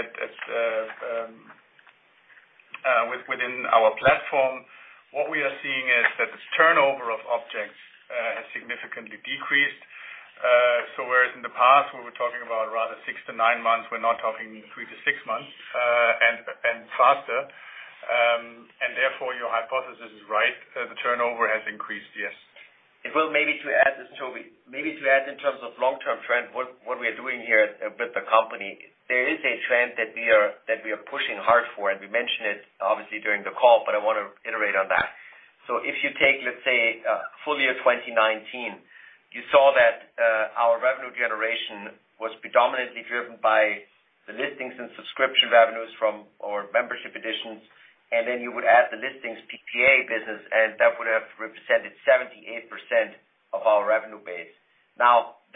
within our platform, what we are seeing is that this turnover of objects has significantly decreased. Whereas in the past, we were talking about rather six to nine months, we're now talking three to six months and faster. Therefore, your hypothesis is right. The turnover has increased, yes. Well, maybe to add, this is Toby. Maybe to add in terms of long-term trend, what we are doing here with the company, there is a trend that we are pushing hard for, and we mentioned it obviously during the call, but I want to iterate on that. If you take, let's say, full year 2019, you saw that our revenue generation was predominantly driven by the listings and subscription revenues from our membership editions, and then you would add the listings PPA business, and that would have represented 78% of our revenue base.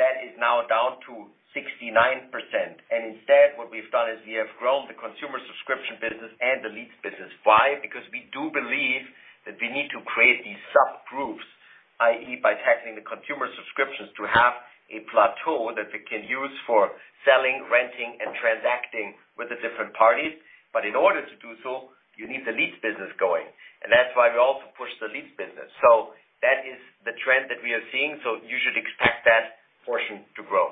That is now down to 69%. Instead, what we've done is we have grown the consumer subscription business and the leads business. Why? We do believe that we need to create these subgroups, i.e., by taxing the consumer subscriptions to have a plateau that we can use for selling, renting, and transacting with the different parties. In order to do so, you need the leads business going. That's why we also push the leads business. That is the trend that we are seeing. You should expect that portion to grow.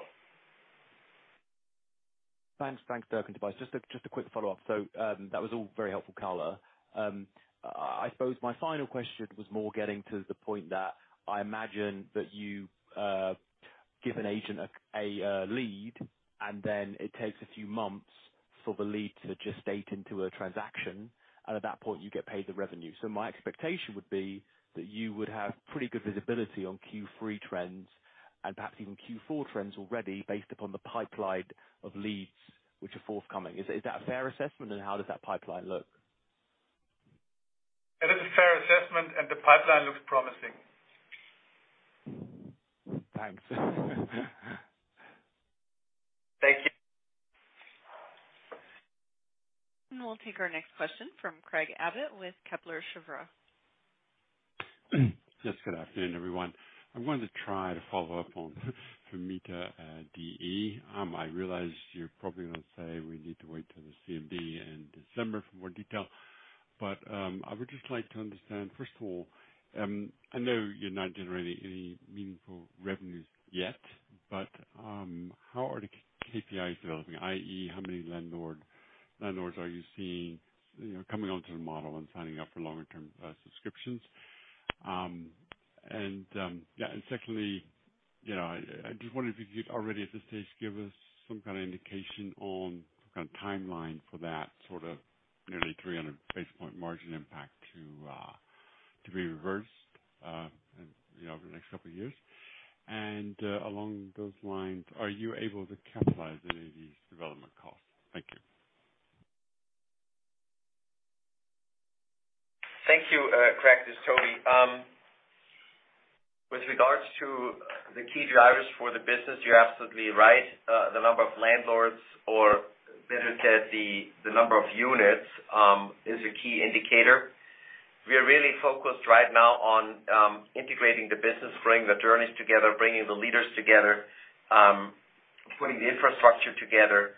Thanks, Dirk and Tobias. Just a quick follow-up. That was all very helpful color. I suppose my final question was more getting to the point that I imagine that you give an agent a lead, and then it takes a few months for the lead to gestate into a transaction, and at that point, you get paid the revenue. My expectation would be that you would have pretty good visibility on Q3 trends and perhaps even Q4 trends already based upon the pipeline of leads which are forthcoming. Is that a fair assessment, and how does that pipeline look? It is a fair assessment, and the pipeline looks promising. Thanks. Thank you. We'll take our next question from Craig Abbott with Kepler Cheuvreux. Yes, good afternoon, everyone. I'm going to try to follow up on Vermietet.de. I realize you're probably going to say we need to wait till the CMD in December for more detail. I would just like to understand, first of all, I know you're not generating any meaningful revenues yet, but how are the KPIs developing, i.e., how many landlords are you seeing coming onto the model and signing up for longer-term subscriptions? Secondly, I just wondered if you could already at this stage give us some kind of indication on kind of timeline for that sort of nearly 300 basis point margin impact to be reversed over the next couple of years. Along those lines, are you able to capitalize any of these development costs? Thank you. Thank you. Craig, this is Toby. With regards to the key drivers for the business, you're absolutely right. The number of landlords, or better said, the number of units, is a key indicator. We are really focused right now on integrating the business, bringing the journeys together, bringing the leaders together, putting the infrastructure together.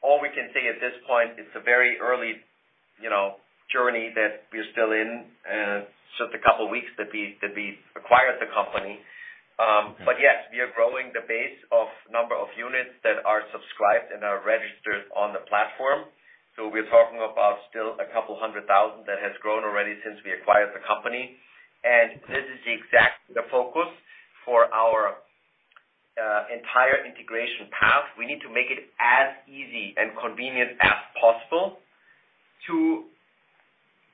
All we can say at this point, it's a very early journey that we're still in. It's just a couple of weeks that we acquired the company. Yes, we are growing the base of number of units that are subscribed and are registered on the platform. We're talking about still a couple hundred thousand that has grown already since we acquired the company. This is the exact focus for our entire integration path. We need to make it as easy and convenient as possible to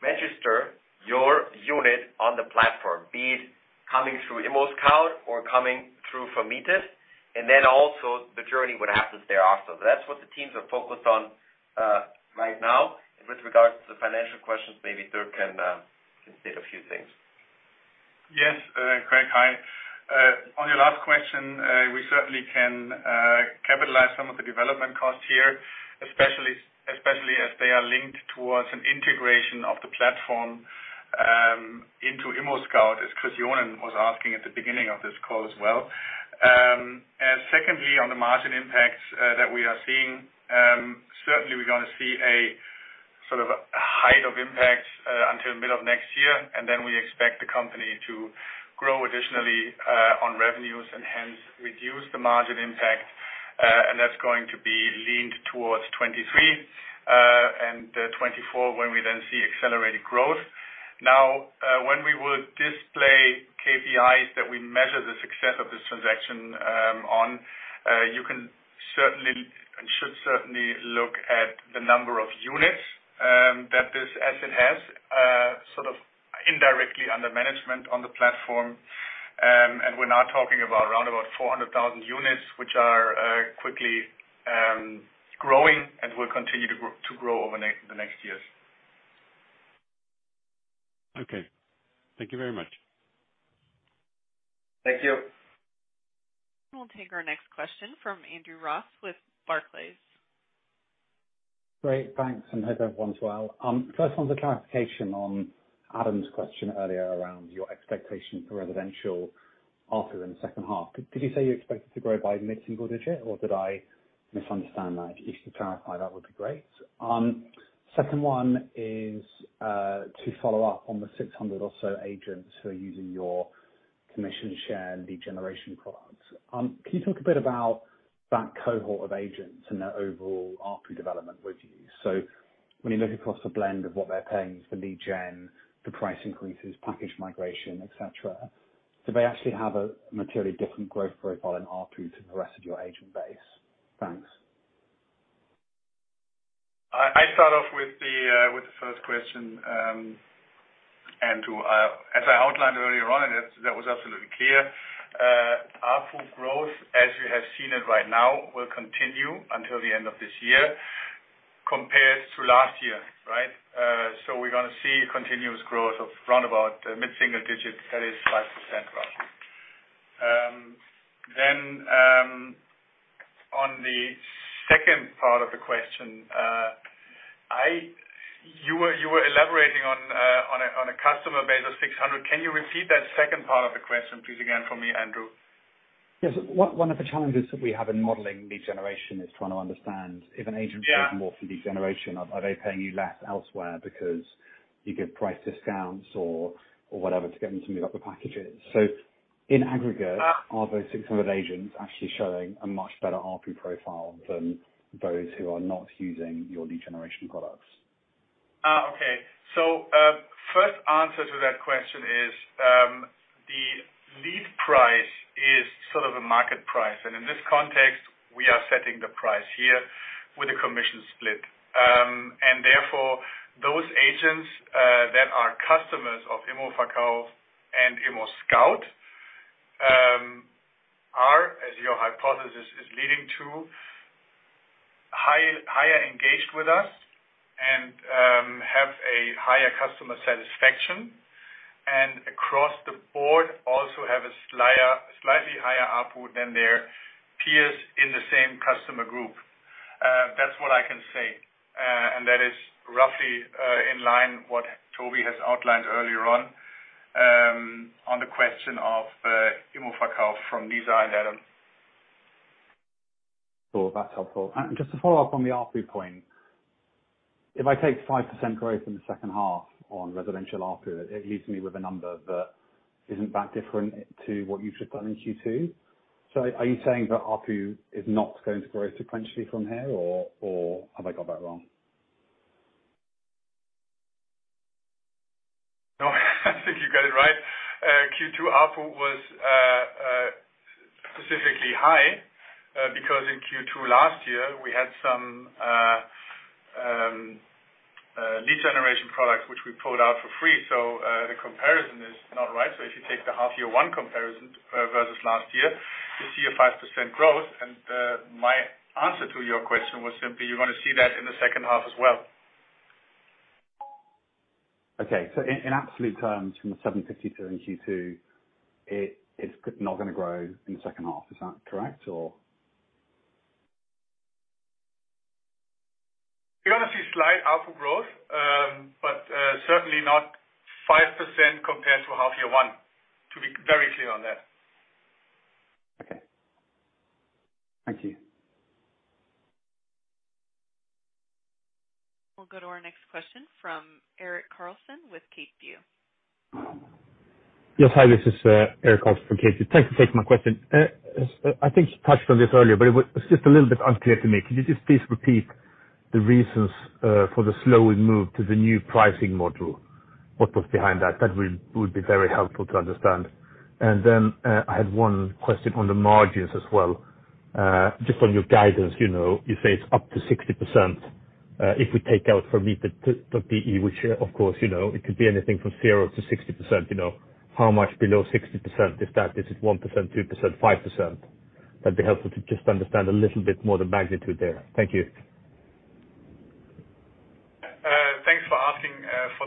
register your unit on the platform, be it coming through ImmoScout24 or coming through Vermietet.de. The journey would happen there also. That's what the teams are focused on right now. With regards to the financial questions, maybe Dirk can state a few things. Yes. Craig, hi. On your last question, we certainly can capitalize some of the development costs here, especially as they are linked towards an integration of the platform into ImmoScout24, as Chris Johnen was asking at the beginning of this call as well. Secondly, on the margin impacts that we are seeing, certainly we're going to see a sort of height of impact until the middle of next year, and then we expect the company to grow additionally on revenues and hence reduce the margin impact. That's going to be leaned towards 2023 and 2024 when we then see accelerated growth. Now, when we will display KPIs that we measure the success of this transaction on, you can certainly, and should certainly look at the number of units that this asset has sort of indirectly under management on the platform. We're now talking about around about 400,000 units, which are quickly growing and will continue to grow over the next years. Okay. Thank you very much. Thank you. We'll take our next question from Andrew Ross with Barclays. Great. Thanks, and hope everyone's well. First one's a clarification on Adam's question earlier around your expectation for residential ARPU in the second half. Did you say you expected to grow by mid-single digit, or did I misunderstand that? If you could clarify, that would be great. Second one is to follow up on the 600 or so agents who are using your commission share and lead generation products. Can you talk a bit about that cohort of agents and their overall ARPU development with you? When you look across the blend of what they're paying for lead gen, the price increases, package migration, et cetera, do they actually have a materially different growth profile in ARPU to the rest of your agent base? Thanks. I start off with the first question, Andrew. As I outlined earlier on, that was absolutely clear. ARPU growth, as you have seen it right now, will continue until the end of this year, compared to last year. We're going to see continuous growth of round about mid-single digits. That is 5% roughly. On the second part of the question, you were elaborating on a customer base of 600. Can you repeat that second part of the question please again for me, Andrew? Yes. One of the challenges that we have in modeling lead generation is trying to understand if an agent- Yeah. Pays more for lead generation, are they paying you less elsewhere because you give price discounts or whatever to get them to meet up with packages? Are those 600 agents actually showing a much better ARPU profile than those who are not using your lead generation products? First answer to that question is, the lead price is sort of a market price, and in this context, we are setting the price here with a commission split. Therefore, those agents that are customers of ImmoVerkauf and ImmoScout, are, as your hypothesis is leading to, higher engaged with us and have a higher customer satisfaction. Across the board, also have a slightly higher ARPU than their peers in the same customer group. That's what I can say. That is roughly in line what Toby has outlined earlier on the question of ImmoVerkauf from Lisa and Adam. Cool. That's helpful. Just to follow up on the ARPU point. If I take 5% growth in the second half on residential ARPU, it leaves me with a number that isn't that different to what you've just done in Q2. Are you saying that ARPU is not going to grow sequentially from here, or have I got that wrong? No, I think you got it right. Q2 ARPU was specifically high, because in Q2 last year, we had some lead generation products which we pulled out for free. The comparison is not right. If you take the half year one comparison versus last year, you see a 5% growth. My answer to your question was simply, you're going to see that in the second half as well. Okay. In absolute terms, from the 750 in Q2, it's not going to grow in the second half. Is that correct, or? You're going to see slight ARPU growth. Certainly not 5% compared to half year one. To be very clear on that. Okay. Thank you. We'll go to our next question from [Eric Carlson with Cape View]. Yes, hi. This is [Eric Carlson]. Thanks for taking my question. I think you touched on this earlier, but it was just a little bit unclear to me. Could you just please repeat the reasons for the slowing move to the new pricing model? What was behind that? That would be very helpful to understand. I had one question on the margins as well. Just on your guidance, you say it's up to 60%. If we take out Vermietet.de, which of course, it could be anything from 0%-60%. How much below 60% is that? Is it 1%, 2%, 5%? That'd be helpful to just understand a little bit more the magnitude there. Thank you.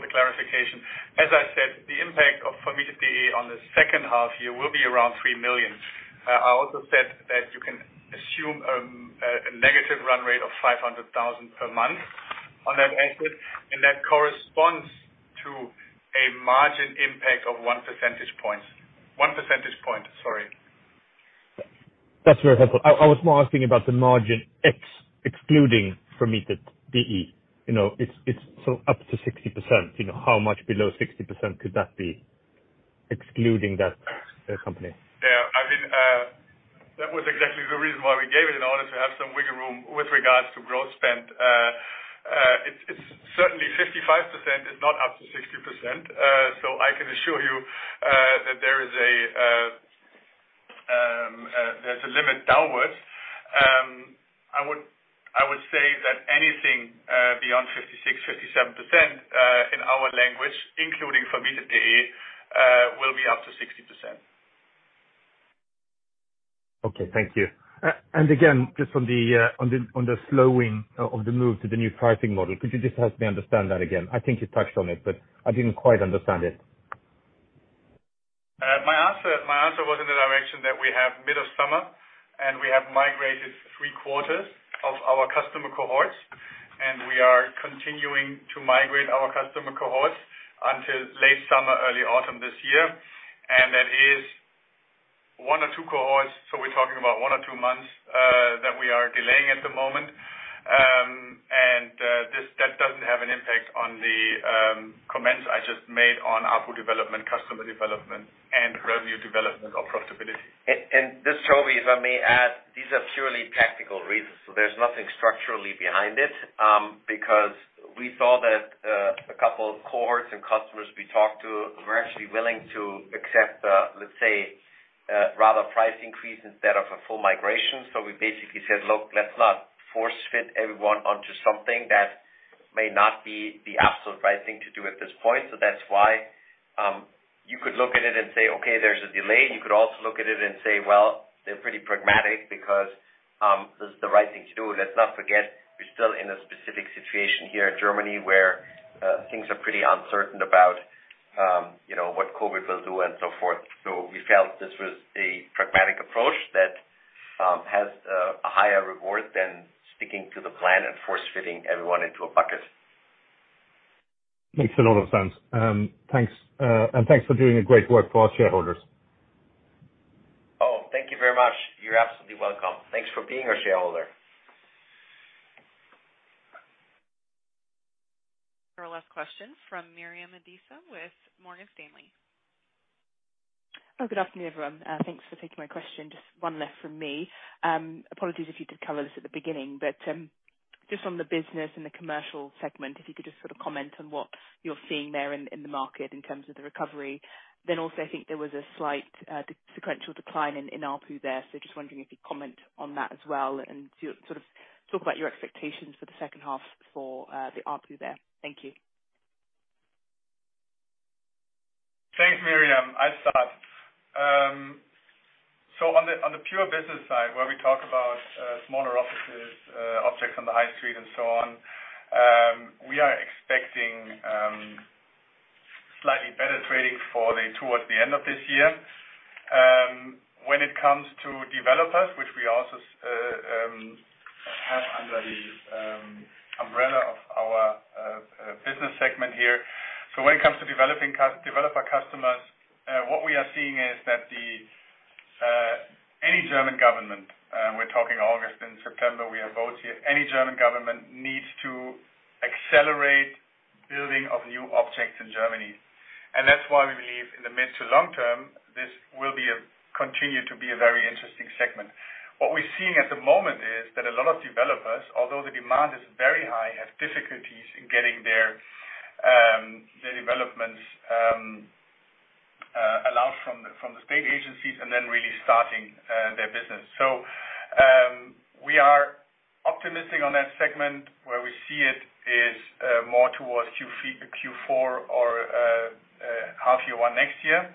Thanks for asking for the clarification. As I said, the impact of Vermietet.de on the second half year will be around 3 million. I also said that you can assume a negative run rate of 500,000 per month on that exit, and that corresponds to a margin impact of one percentage points. One percentage point, sorry. That's very helpful. I was more asking about the margin excluding Vermietet.de. It's up to 60%. How much below 60% could that be, excluding that company? Yeah. That was exactly the reason why we gave it, in order to have some wiggle room with regards to growth spend. Certainly 55% is not up to 60%. I can assure you that there's a limit downwards. I would say that anything beyond 56, 57%, in our language, including Vermietet.de, will be up to 60%. Okay. Thank you. Again, just on the slowing of the move to the new pricing model, could you just help me understand that again? I think you touched on it, but I didn't quite understand it. My answer was in the direction that we have mid of summer, we have migrated three-quarters of our customer cohorts, and we are continuing to migrate our customer cohorts until late summer, early autumn this year. That is one or two cohorts. We're talking about one or two months that we are delaying at the moment. That doesn't have an impact on the comments I just made on ARPU development, customer development, and revenue development or profitability. Just, Toby, if I may add, these are purely tactical reasons. There's nothing structurally behind it. We saw that a couple of cohorts and customers we talked to were actually willing to accept, let's say, a rather price increase instead of a full migration. We basically said, "Look, let's not force-fit everyone onto something that may not be the absolute right thing to do at this point." That's why you could look at it and say, "Okay, there's a delay." You could also look at it and say, "Well, they're pretty pragmatic because this is the right thing to do." Let's not forget, we're still in a specific situation here in Germany where things are pretty uncertain about what COVID-19 will do and so forth. We felt this was a pragmatic approach that has a higher reward than sticking to the plan and force-fitting everyone into a bucket. Makes a lot of sense. Thanks. Thanks for doing great work for our shareholders. Oh, thank you very much. You're absolutely welcome. Thanks for being our shareholder. Our last question from Miriam Adisa with Morgan Stanley. Oh, good afternoon, everyone. Thanks for taking my question. Just one left from me. Apologies if you did cover this at the beginning, but just on the business and the commercial segment, if you could just sort of comment on what you're seeing there in the market in terms of the recovery. Also, I think there was a slight sequential decline in ARPU there. Just wondering if you'd comment on that as well and sort of talk about your expectations for the second half for the ARPU there. Thank you. Thanks, Miriam. I'll start. On the pure business side, where we talk about smaller offices, objects on the high street and so on, we are expecting slightly better trading towards the end of this year. When it comes to developers, which we also have under the umbrella of our business segment here. When it comes to developer customers, what we are seeing is that any German government, we're talking August and September, we have votes here. Any German government needs to accelerate building of new objects in Germany. That's why we believe in the mid to long term, this will continue to be a very interesting segment. What we're seeing at the moment is that a lot of developers, although the demand is very high, have difficulties in getting their developments allowed from the state agencies and then really starting their business. We are optimistic on that segment where we see it is more towards Q4 or half year one next year.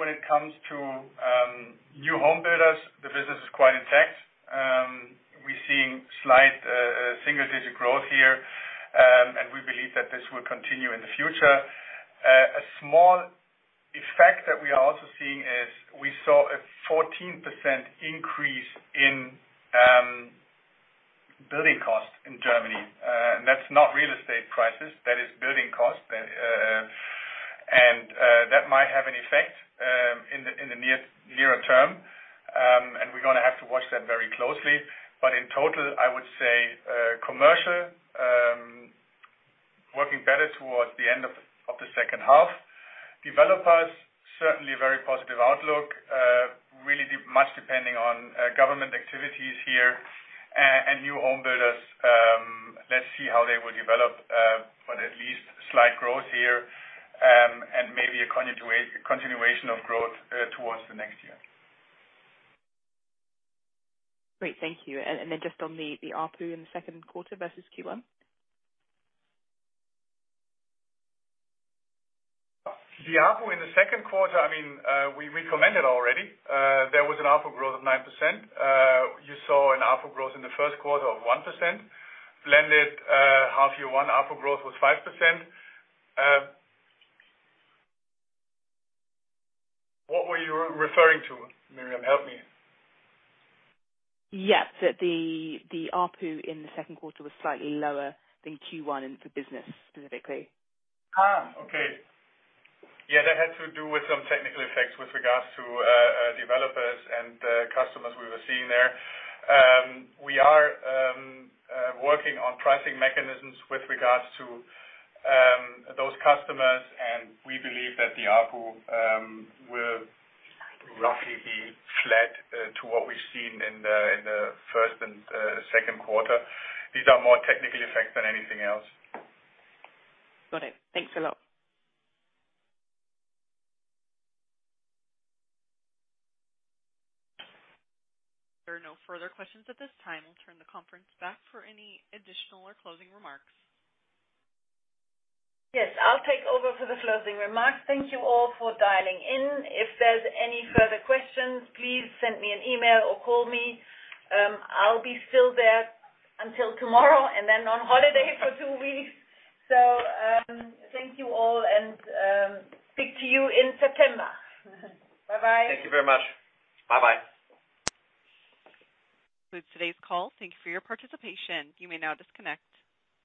When it comes to new home builders, the business is quite intact. We're seeing slight single-digit growth here, and we believe that this will continue in the future. A small effect that we are also seeing is we saw a 14% increase in building costs in Germany. That's not real estate prices, that is building costs. That might have an effect in the nearer term. We're going to have to watch that very closely. In total, I would say, commercial, working better towards the end of the second half. Developers, certainly a very positive outlook. Really much depending on government activities here. New home builders, let's see how they will develop, but at least slight growth here, and maybe a continuation of growth towards the next year. Great. Thank you. Just on the ARPU in the second quarter versus Q1. The ARPU in the second quarter, we reported already. There was an ARPU growth of 9%. You saw an ARPU growth in the first quarter of 1%. Blended half year one ARPU growth was 5%. What were you referring to, Miriam? Help me. Yes. That the ARPU in the second quarter was slightly lower than Q1 for business specifically. That had to do with some technical effects with regards to developers and customers we were seeing there. We are working on pricing mechanisms with regards to those customers, and we believe that the ARPU will roughly be flat to what we've seen in the first and second quarter. These are more technical effects than anything else. Got it. Thanks a lot. There are no further questions at this time. I'll turn the conference back for any additional or closing remarks. Yes, I'll take over for the closing remarks. Thank you all for dialing in. If there's any further questions, please send me an email or call me. I'll be still there until tomorrow and then on holiday for two weeks. Thank you all, and speak to you in September. Bye-bye. Thank you very much. Bye-bye. That concludes today's call. Thank you for your participation. You may now disconnect.